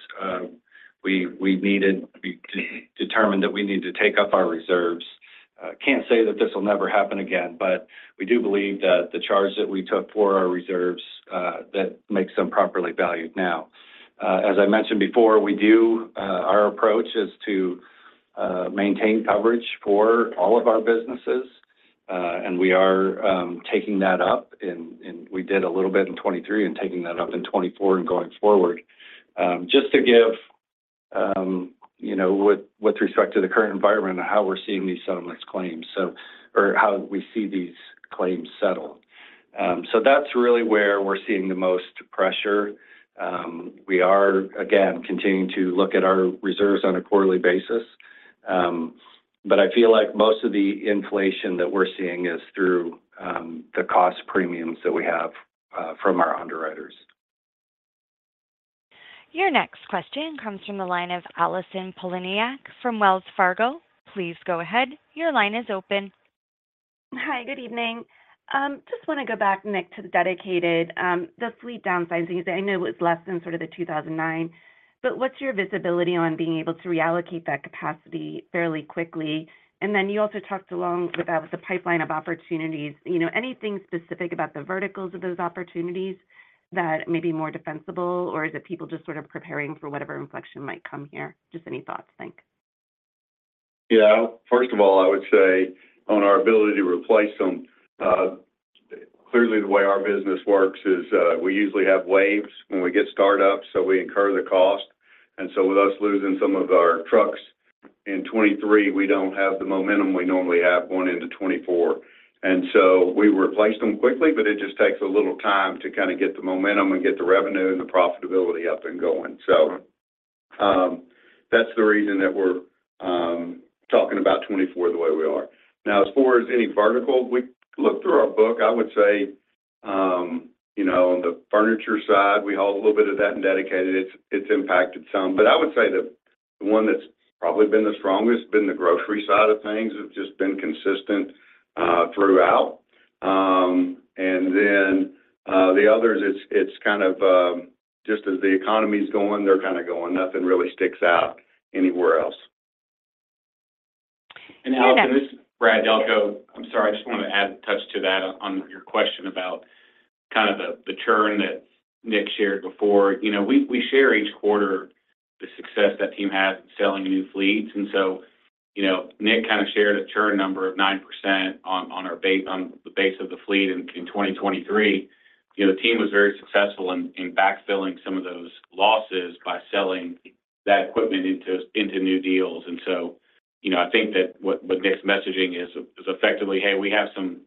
we determined that we needed to take up our reserves. Can't say that this will never happen again, but we do believe that the charge that we took for our reserves that makes them properly valued now. Our approach is to maintain coverage for all of our businesses, and we are taking that up, and we did a little bit in 2023 and taking that up in 2024 and going forward. Just to give you know, with respect to the current environment and how we're seeing these settlements claims, so, or how we see these claims settled. So that's really where we're seeing the most pressure. We are, again, continuing to look at our reserves on a quarterly basis. But I feel like most of the inflation that we're seeing is through the cost premiums that we have from our underwriters. Your next question comes from the line of Allison Poliniak from Wells Fargo. Please go ahead. Your line is open. Hi, good evening. Just want to go back, Nick, to the Dedicated fleet downsizing. I know it was less than sort of the 2009, but what's your visibility on being able to reallocate that capacity fairly quickly? And then you also talked along about the pipeline of opportunities. You know, anything specific about the verticals of those opportunities that may be more defensible, or is it people just sort of preparing for whatever inflection might come here? Just any thoughts, thanks. First of all, I would say on our ability to replace them, clearly, the way our business works is, we usually have waves when we get startups, so we incur the cost. And so with us losing some of our trucks in 2023, we don't have the momentum we normally have going into 2024. And so we replace them quickly, but it just takes a little time to kind of get the momentum and get the revenue and the profitability up and going. So, that's the reason that we're talking about 2024 the way we are. Now, as far as any vertical, we look through our book, I would say on the furniture side, we hold a little bit of that in Dedicated. It's impacted some, but I would say the one that's probably been the strongest, been the grocery side of things. It's just been consistent throughout. And then, the others it's kind of just as the economy's going, they're going. Nothing really sticks out anywhere else. This is Brad Delco. I'm sorry, I just want to add a touch to that on your question about the churn that Nick shared before. You know, we share each quarter the success that team has in selling new fleets. And so, you know, Nick kind of shared a churn number of 9% on our base, the base of the fleet in 2023. You know, the team was very successful in backfilling some of those losses by selling that equipment into new deals. And so, you know, I think that what, what Nick's messaging is, is effectively, "Hey, we have some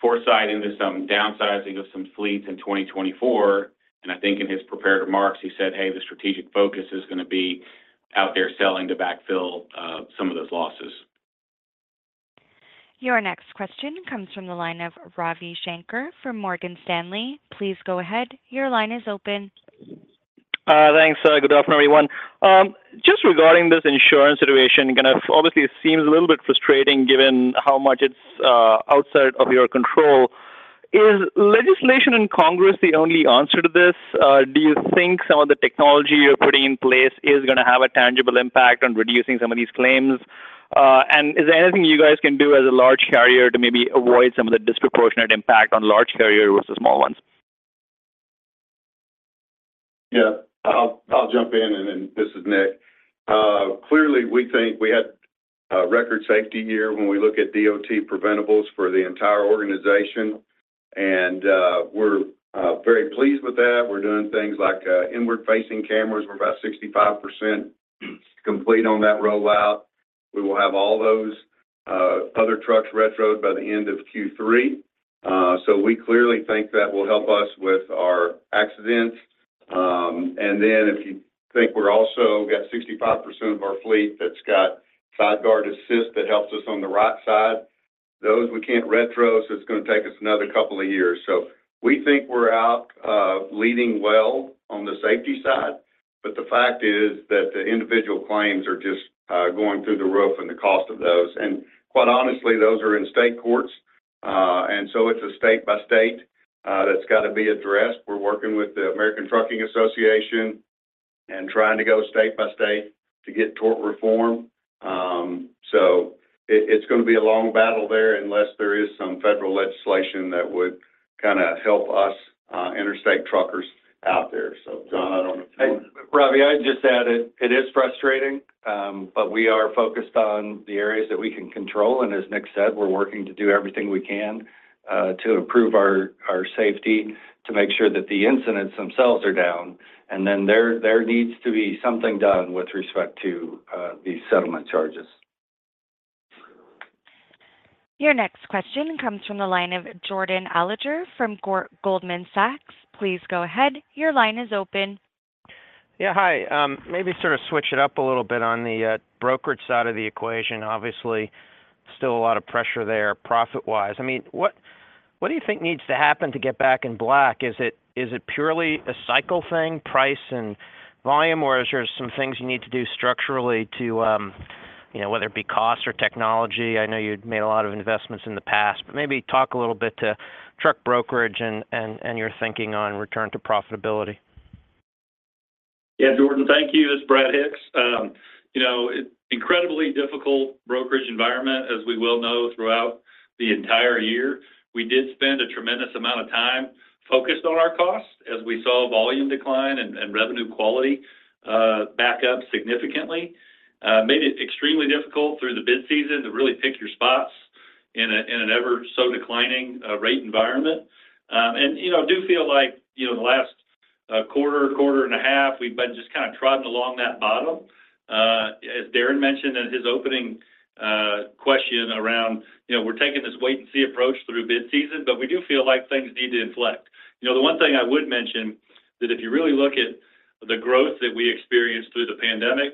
foresight into some downsizing of some fleets in 2024." And I think in his prepared remarks, he said, "Hey, the strategic focus is going to be out there selling to backfill some of those losses. Your next question comes from the line of Ravi Shanker from Morgan Stanley. Please go ahead. Your line is open. Thanks, good afternoon, everyone. Just regarding this insurance situation, again, obviously, it seems a little bit frustrating given how much it's outside of your control. Is legislation in Congress the only answer to this? Do you think some of the technology you're putting in place is going to have a tangible impact on reducing some of these claims? And is there anything you guys can do as a large carrier to maybe avoid some of the disproportionate impact on large carrier versus small ones? Yeah. I'll jump in, and then this is Nick. Clearly, we think we had a record safety year when we look at DOT preventables for the entire organization, and we're very pleased with that. We're doing things like inward-facing cameras. We're about 65% complete on that rollout. We will have all those other trucks retro by the end of Q3. So we clearly think that will help us with our accidents. And then if you think we're also got 65% of our fleet that's got Sideguard Assist, that helps us on the right side. Those we can't retro, so it's going to take us another couple of years. So we think we're out leading well on the safety side, but the fact is that the individual claims are just going through the roof and the cost of those. And quite honestly, those are in state courts, and so it's a state-by-state issue, that's got to be addressed. We're working with the American Trucking Associations and trying to go state by state to get tort reform. It's going to be a long battle there, unless there is some federal legislation that would help us, interstate truckers out there. Hey, Ravi, I'd just add it, it is frustrating, but we are focused on the areas that we can control, and as Nick said, we're working to do everything we can to improve our safety, to make sure that the incidents themselves are down, and then there needs to be something done with respect to these settlement charges. Your next question comes from the line of Jordan Alliger from Goldman Sachs. Please go ahead. Your line is open. Yeah, hi. Maybe switch it up a little bit on the brokerage side of the equation. Obviously, still a lot of pressure there profit-wise. I mean, what do you think needs to happen to get back in black? Is it purely a cycle thing, price and volume? Or is there some things you need to do structurally to, you know, whether it be cost or technology? I know you'd made a lot of investments in the past, but maybe talk a little bit to truck brokerage and your thinking on return to profitability. Yeah, Jordan, thank you. This is Brad Hicks. You know, incredibly difficult brokerage environment, as we well know, throughout the entire year. We did spend a tremendous amount of time focused on our cost as we saw volume decline and revenue quality back up significantly. Made it extremely difficult through the bid season to really pick your spots in an ever so declining rate environment. And, you know, I do feel like, you know, in the last quarter and a half, we've been just kind of trotting along that bottom. As Darren mentioned in his opening question around, you know, we're taking this wait and see approach through bid season, but we do feel like things need to inflect. You know, the one thing I would mention, that if you really look at the growth that we experienced through the pandemic,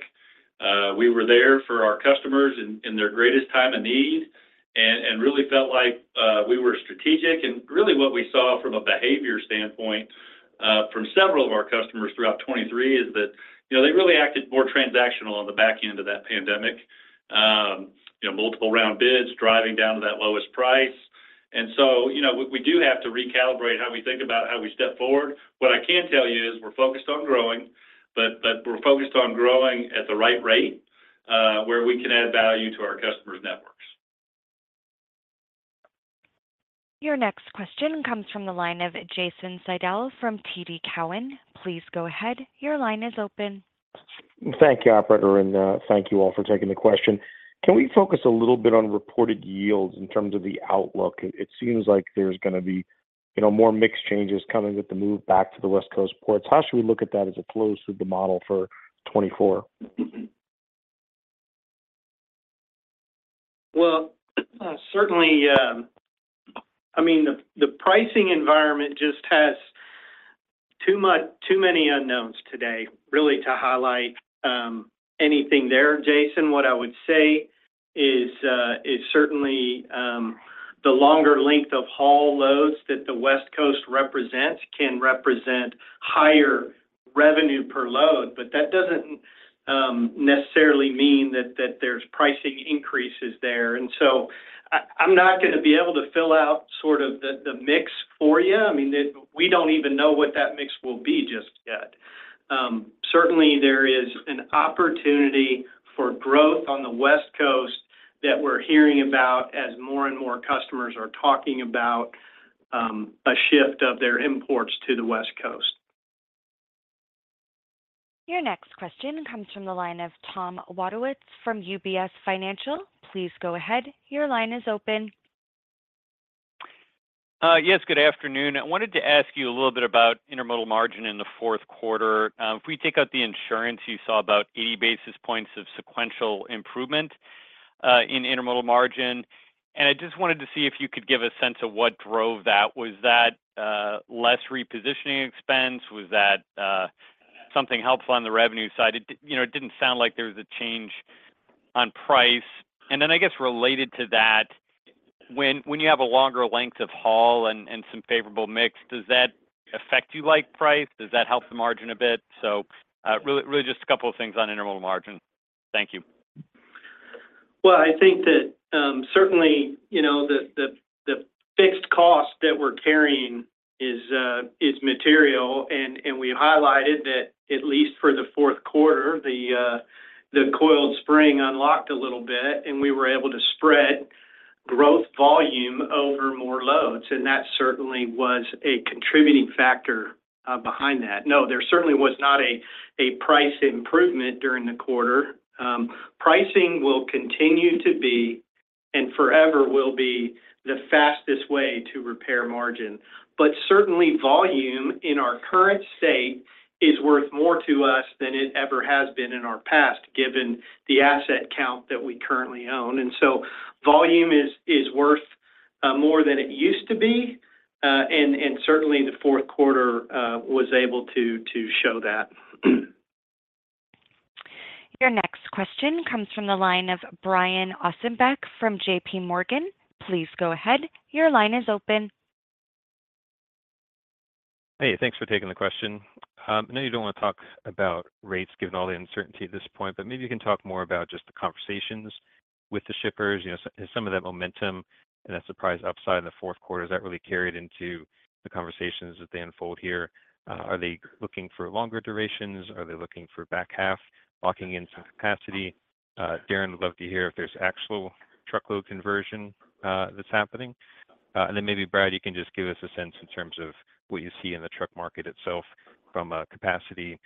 we were there for our customers in, in their greatest time of need and, and really felt like, we were strategic. And really what we saw from a behavior standpoint, from several of our customers throughout 2023 is that, you know, they really acted more transactional on the back end of that pandemic. You know, multiple round bids, driving down to that lowest price. And so, you know, we, we do have to recalibrate how we think about how we step forward. What I can tell you is we're focused on growing, but, but we're focused on growing at the right rate, where we can add value to our customers' networks. Your next question comes from the line of Jason Seidl from TD Cowen. Please go ahead. Your line is open. Thank you, operator, and thank you all for taking the question. Can we focus a little bit on reported yields in terms of the outlook? It seems like there's going to be, you know, more mixed changes coming with the move back to the West Coast ports. How should we look at that as it flows through the model for 2024? Well, certainly, I mean, the pricing environment just has too many unknowns today, really, to highlight anything there, Jason. What I would say is certainly the longer length of haul loads that the West Coast represents can represent higher revenue per load, but that doesn't necessarily mean that there's pricing increases there. And so I, I'm not going to be able to fill out sort of the mix for you. I mean, it, we don't even know what that mix will be just yet. Certainly, there is an opportunity for growth on the West Coast that we're hearing about as more and more customers are talking about a shift of their imports to the West Coast. Your next question comes from the line of Tom Wadewitz from UBS Financial. Please go ahead. Your line is open. Yes, good afternoon. I wanted to ask you a little bit about Intermodal margin in the fourth quarter. If we take out the insurance, you saw about 80 basis points of sequential improvement in Intermodal margin. And I just wanted to see if you could give a sense of what drove that. Was that less repositioning expense? Was that something helpful on the revenue side? You know, it didn't sound like there was a change on price. Then, I guess related to that, when you have a longer length of haul and some favorable mix, does that affect you like price? Does that help the margin a bit? Really, really just a couple of things on intermodal margin. Thank you. Well, I think that, certainly, you know, the fixed cost that we're carrying is material, and we highlighted that at least for the fourth quarter, the coiled spring unlocked a little bit, and we were able to spread growth volume over more loads, and that certainly was a contributing factor behind that. No, there certainly was not a price improvement during the quarter. Pricing will continue to be, and forever will be, the fastest way to repair margin. But certainly, volume, in our current state, is worth more to us than it ever has been in our past, given the asset count that we currently own. And so volume is worth more than it used to be, and certainly in the fourth quarter was able to show that. Your next question comes from the line of Brian Ossenbeck from JP Morgan. Please go ahead. Your line is open. Hey, thanks for taking the question. I know you don't want to talk about rates given all the uncertainty at this point, but maybe you can talk more about just the conversations with the shippers. You know, some of that momentum and that surprise upside in the fourth quarter, does that really carried into the conversations as they unfold here? Are they looking for longer durations? Are they looking for back half, locking in some capacity? Darren, would love to hear if there's actual truckload conversion that's happening. And then maybe, Brad, you can just give us a sense in terms of what you see in the truck market itself from a capacity,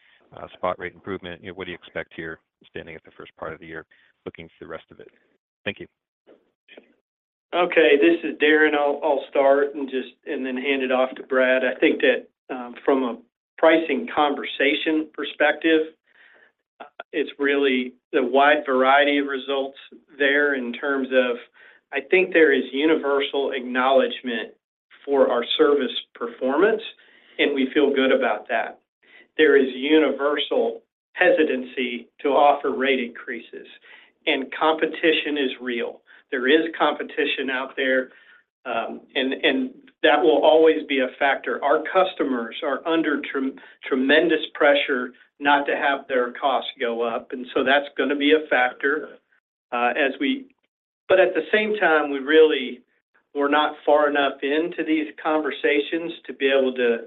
spot rate improvement. You know, what do you expect here, standing at the first part of the year, looking for the rest of it? Thank you. Okay, this is Darren. I'll start and just and then hand it off to Brad. I think that from a pricing conversation perspective. It's really the wide variety of results there in terms of. I think there is universal acknowledgement for our service performance, and we feel good about that. There is universal hesitancy to offer rate increases, and competition is real. There is competition out there, and that will always be a factor. Our customers are under tremendous pressure not to have their costs go up, and so that's going to be a factor as we. But at the same time, we really were not far enough into these conversations to be able to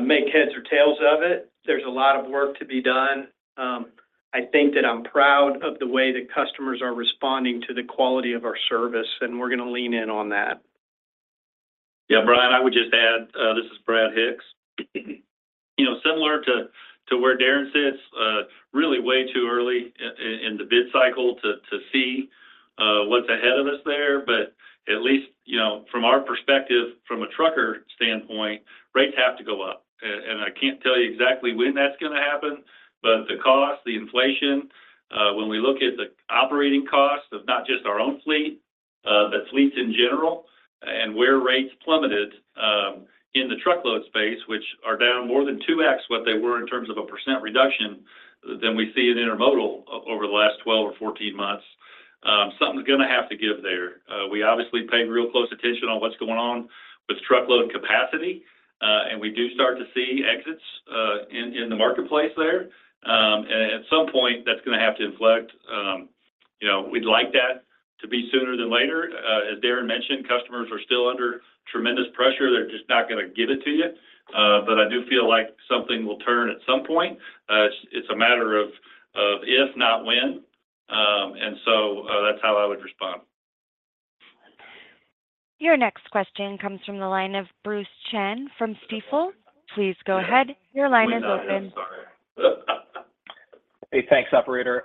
make heads or tails of it. There's a lot of work to be done. I think that I'm proud of the way the customers are responding to the quality of our service, and we're going to lean in on that. Yeah, Brian, I would just add, this is Brad Hicks. You know, similar to where Darren sits, really way too early in the bid cycle to see what's ahead of us there. But at least, you know, from our perspective, from a trucker standpoint, rates have to go up. And I can't tell you exactly when that's going to happen, but the cost, the inflation, when we look at the operating costs of not just our own fleet, but fleets in general, and where rates plummeted in the truckload space, which are down more than 2x what they were in terms of a % reduction, than we see in Intermodal over the last 12 or 14 months. Something's going to have to give there. We obviously pay real close attention on what's going on with truckload capacity, and we do start to see exits in the marketplace there. And at some point, that's going to have to inflect. You know, we'd like that to be sooner than later. As Darren mentioned, customers are still under tremendous pressure. They're just not going to give it to you. But I do feel like something will turn at some point. It's a matter of if, not when. And so, that's how I would respond. Your next question comes from the line of Bruce Chan from Stifel. Please go ahead. Your line is open. Hey, thanks, operator.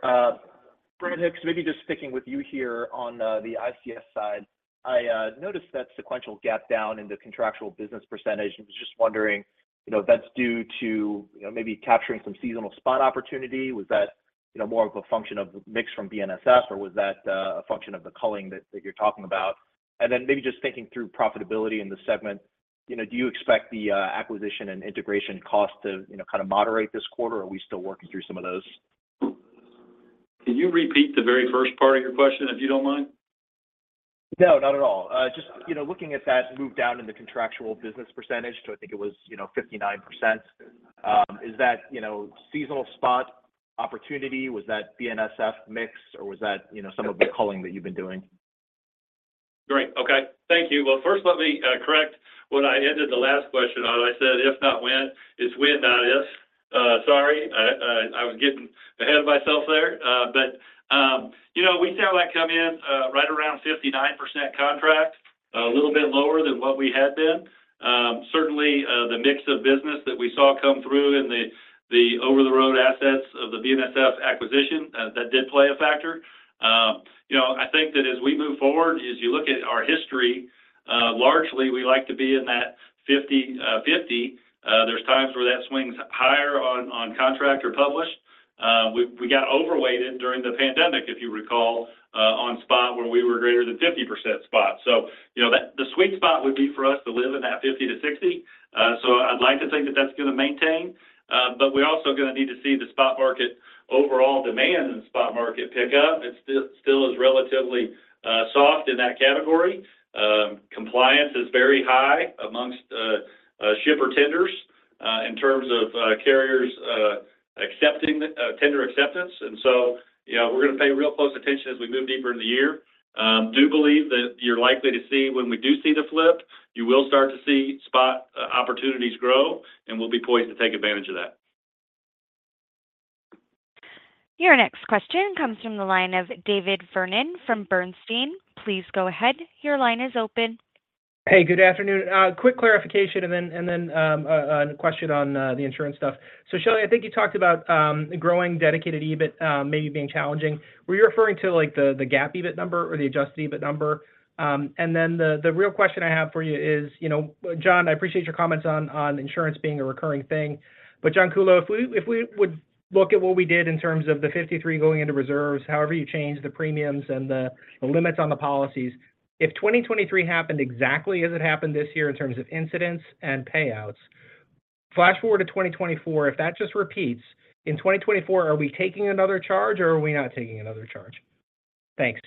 Brad Hicks, maybe just sticking with you here on the ICS side. I noticed that sequential gap down in the contractual business percentage. And was just wondering, you know, if that's due to, you know, maybe capturing some seasonal spot opportunity? Was that, you know, more of a function of the mix from BNSF, or was that a function of the culling that you're talking about? And then maybe just thinking through profitability in the segment, you know, do you expect the acquisition and integration cost to, you know, moderate this quarter, or are we still working through some of those? Can you repeat the very first part of your question, if you don't mind? Not at all. Just, you know, looking at that move down in the contractual business percentage, so I think it was, you know, 59%. Is that, you know, seasonal spot opportunity? Was that BNSF mix, or was that some of the culling that you've been doing? Great. Okay. Thank you. Well, first let me correct when I ended the last question, I said, "If not when," it's when, not if. Sorry, I was getting ahead of myself there. We saw that come in right around 59% contract, a little bit lower than what we had been. Certainly, the mix of business that we saw come through in the over-the-road assets of the BNSF acquisition, that did play a factor. You know, I think that as we move forward, as you look at our history, largely, we like to be in that 50/50. There's times where that swings higher on contract or published. We got overweighted during the pandemic, if you recall, on spot where we were greater than 50% spot. So you know, that the sweet spot would be for us to live in that 50-60. So I'd like to think that that's going to maintain, but we're also going to need to see the spot market, overall demand in the spot market pick up. It still is relatively soft in that category. Compliance is very high among shipper tenders in terms of carriers accepting tender acceptance. And so, you know, we're going to pay real close attention as we move deeper in the year. I do believe that you're likely to see when we do see the flip, you will start to see spot opportunities grow, and we'll be poised to take advantage of that. Your next question comes from the line of David Vernon from Bernstein. Please go ahead. Your line is open. Hey, good afternoon. Quick clarification, and then a question on the insurance stuff. So, Shelley, I think you talked about growing Dedicated EBIT, maybe being challenging. Were you referring to, like, the GAAP EBIT number or the adjusted EBIT number? And then the real question I have for you is, you know, John, I appreciate your comments on insurance being a recurring thing, but John Kuhlow, if we would look at what we did in terms of the 53 going into reserves, however you change the premiums and the limits on the policies, if 2023 happened exactly as it happened this year in terms of incidents and payouts, flash forward to 2024, if that just repeats, in 2024, are we taking another charge or are we not taking another charge? Thanks.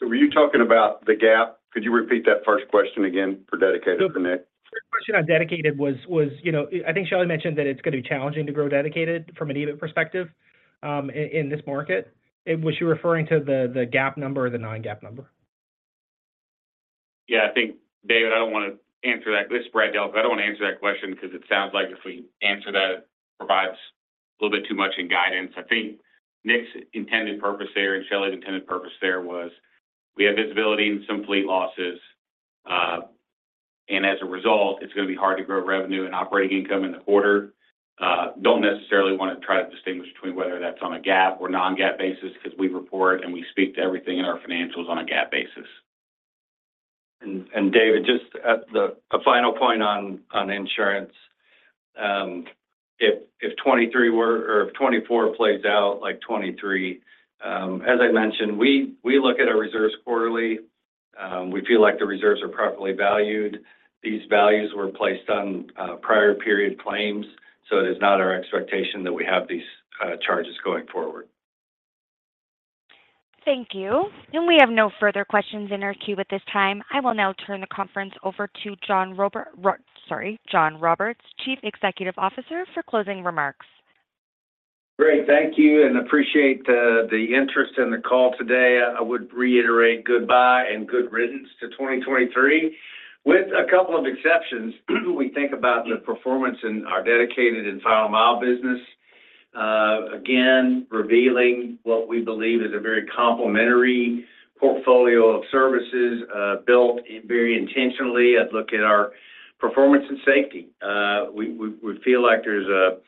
Were you talking about the GAAP? Could you repeat that first question again for Dedicated for Nick? The question on Dedicated was, I think Shelley mentioned that it's going to be challenging to grow Dedicated from an EBIT perspective, in this market. Was you referring to the, the GAAP number or the non-GAAP number? David, I don't want to answer that. This is Brad Delco. I don't want to answer that question because it sounds like if we answer that, it provides a little bit too much in guidance. I think Nick's intended purpose there and Shelley's intended purpose there was, we have visibility and some fleet losses. And as a result, it's going to be hard to grow revenue and operating income in the quarter. Don't necessarily want to try to distinguish between whether that's on a GAAP or non-GAAP basis, because we report and we speak to everything in our financials on a GAAP basis. David, just at the a final point on insurance, if 2023 were or if 2024 plays out like 2023, as I mentioned, we look at our reserves quarterly. We feel like the reserves are properly valued. These values were placed on prior period claims, so it is not our expectation that we have these charges going forward. Thank you. We have no further questions in our queue at this time. I will now turn the conference over to John sorry, John Roberts, Chief Executive Officer, for closing remarks. Great. Thank you, and appreciate the interest in the call today. I would reiterate goodbye and good riddance to 2023. With a couple of exceptions, we think about the performance in our Dedicated and Final Mile business. Again, revealing what we believe is a very complementary portfolio of services, built very intentionally. I'd look at our performance and safety. We feel like there's a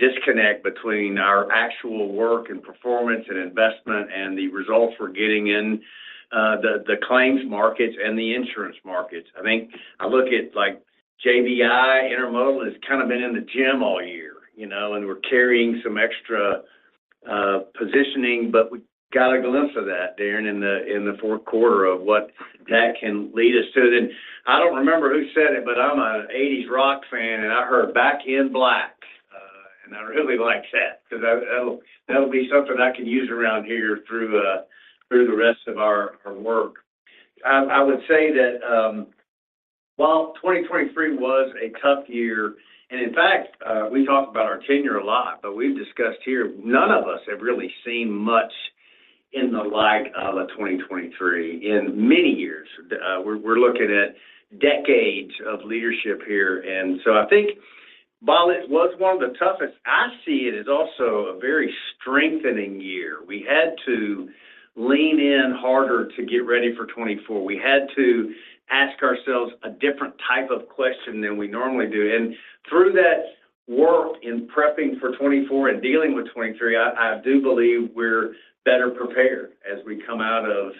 disconnect between our actual work and performance and investment and the results we're getting in the claims markets and the insurance markets. I think I look at, like, JBI Intermodal has kind of been in the gym all year, you know, and we're carrying some extra positioning, but we got a glimpse of that, Darren, in the fourth quarter of what that can lead us to. Then I don't remember who said it, but I'm an eighties rock fan, and I heard Back in Black. And I really like that because that'll be something I can use around here through the rest of our work. I would say that while 2023 was a tough year, and in fact, we talk about our tenure a lot, but we've discussed here, none of us have really seen much in the like of a 2023 in many years. We're looking at decades of leadership here, and so I think while it was one of the toughest, I see it as also a very strengthening year. We had to lean in harder to get ready for 2024. We had to ask ourselves a different type of question than we normally do. Through that work in prepping for 2024 and dealing with 2023, I do believe we're better prepared as we come out of,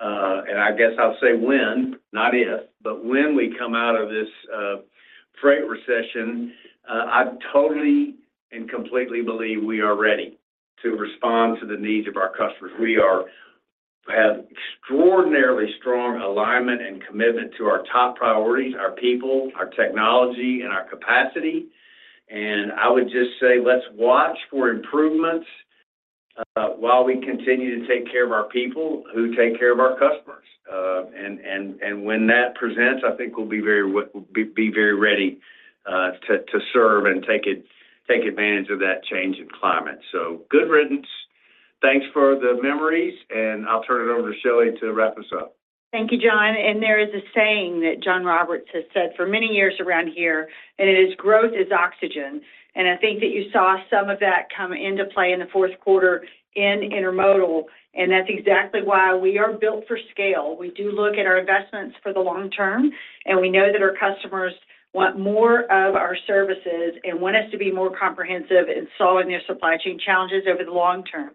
and I guess I'll say when, not if, but when we come out of this freight recession, I totally and completely believe we are ready to respond to the needs of our customers. We have extraordinarily strong alignment and commitment to our top priorities, our people, our technology, and our capacity. I would just say, let's watch for improvements while we continue to take care of our people who take care of our customers. And when that presents, I think we'll be very ready to serve and take advantage of that change in climate. So good riddance. Thanks for the memories, and I'll turn it over to Shelley to wrap us up. Thank you, John. There is a saying that John Roberts has said for many years around here, and it is, "Growth is oxygen." I think that you saw some of that come into play in the fourth quarter in Intermodal, and that's exactly why we are built for scale. We do look at our investments for the long term, and we know that our customers want more of our services and want us to be more comprehensive in solving their supply chain challenges over the long term.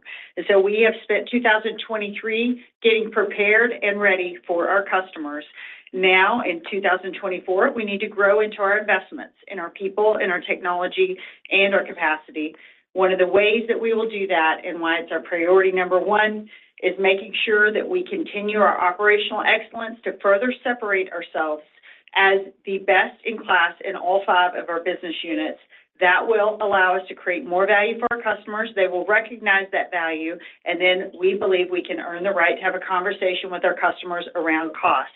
So we have spent 2023 getting prepared and ready for our customers. Now, in 2024, we need to grow into our investments, in our people, in our technology, and our capacity. One of the ways that we will do that, and why it's our priority number one, is making sure that we continue our operational excellence to further separate ourselves as the best in class in all five of our business units. That will allow us to create more value for our customers. They will recognize that value, and then we believe we can earn the right to have a conversation with our customers around cost.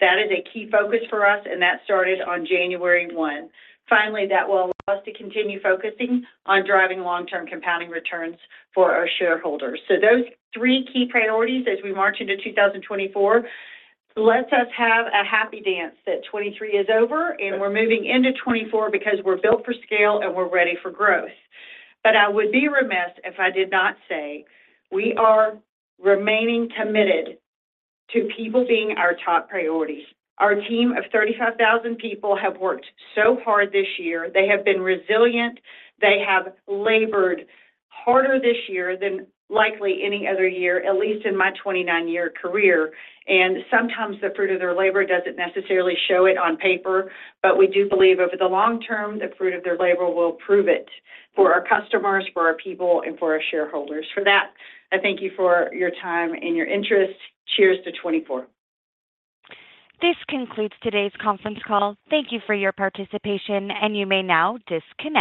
That is a key focus for us, and that started on January 1. Finally, that will allow us to continue focusing on driving long-term compounding returns for our shareholders. So those three key priorities as we march into 2024 let us have a happy dance that 2023 is over, and we're moving into 2024 because we're built for scale, and we're ready for growth. But I would be remiss if I did not say we are remaining committed to people being our top priority. Our team of 35,000 people have worked so hard this year. They have been resilient. They have labored harder this year than likely any other year, at least in my 29-year career. And sometimes the fruit of their labor doesn't necessarily show it on paper, but we do believe over the long term, the fruit of their labor will prove it for our customers, for our people, and for our shareholders. For that, I thank you for your time and your interest. Cheers to 2024. This concludes today's conference call. Thank you for your participation, and you may now disconnect.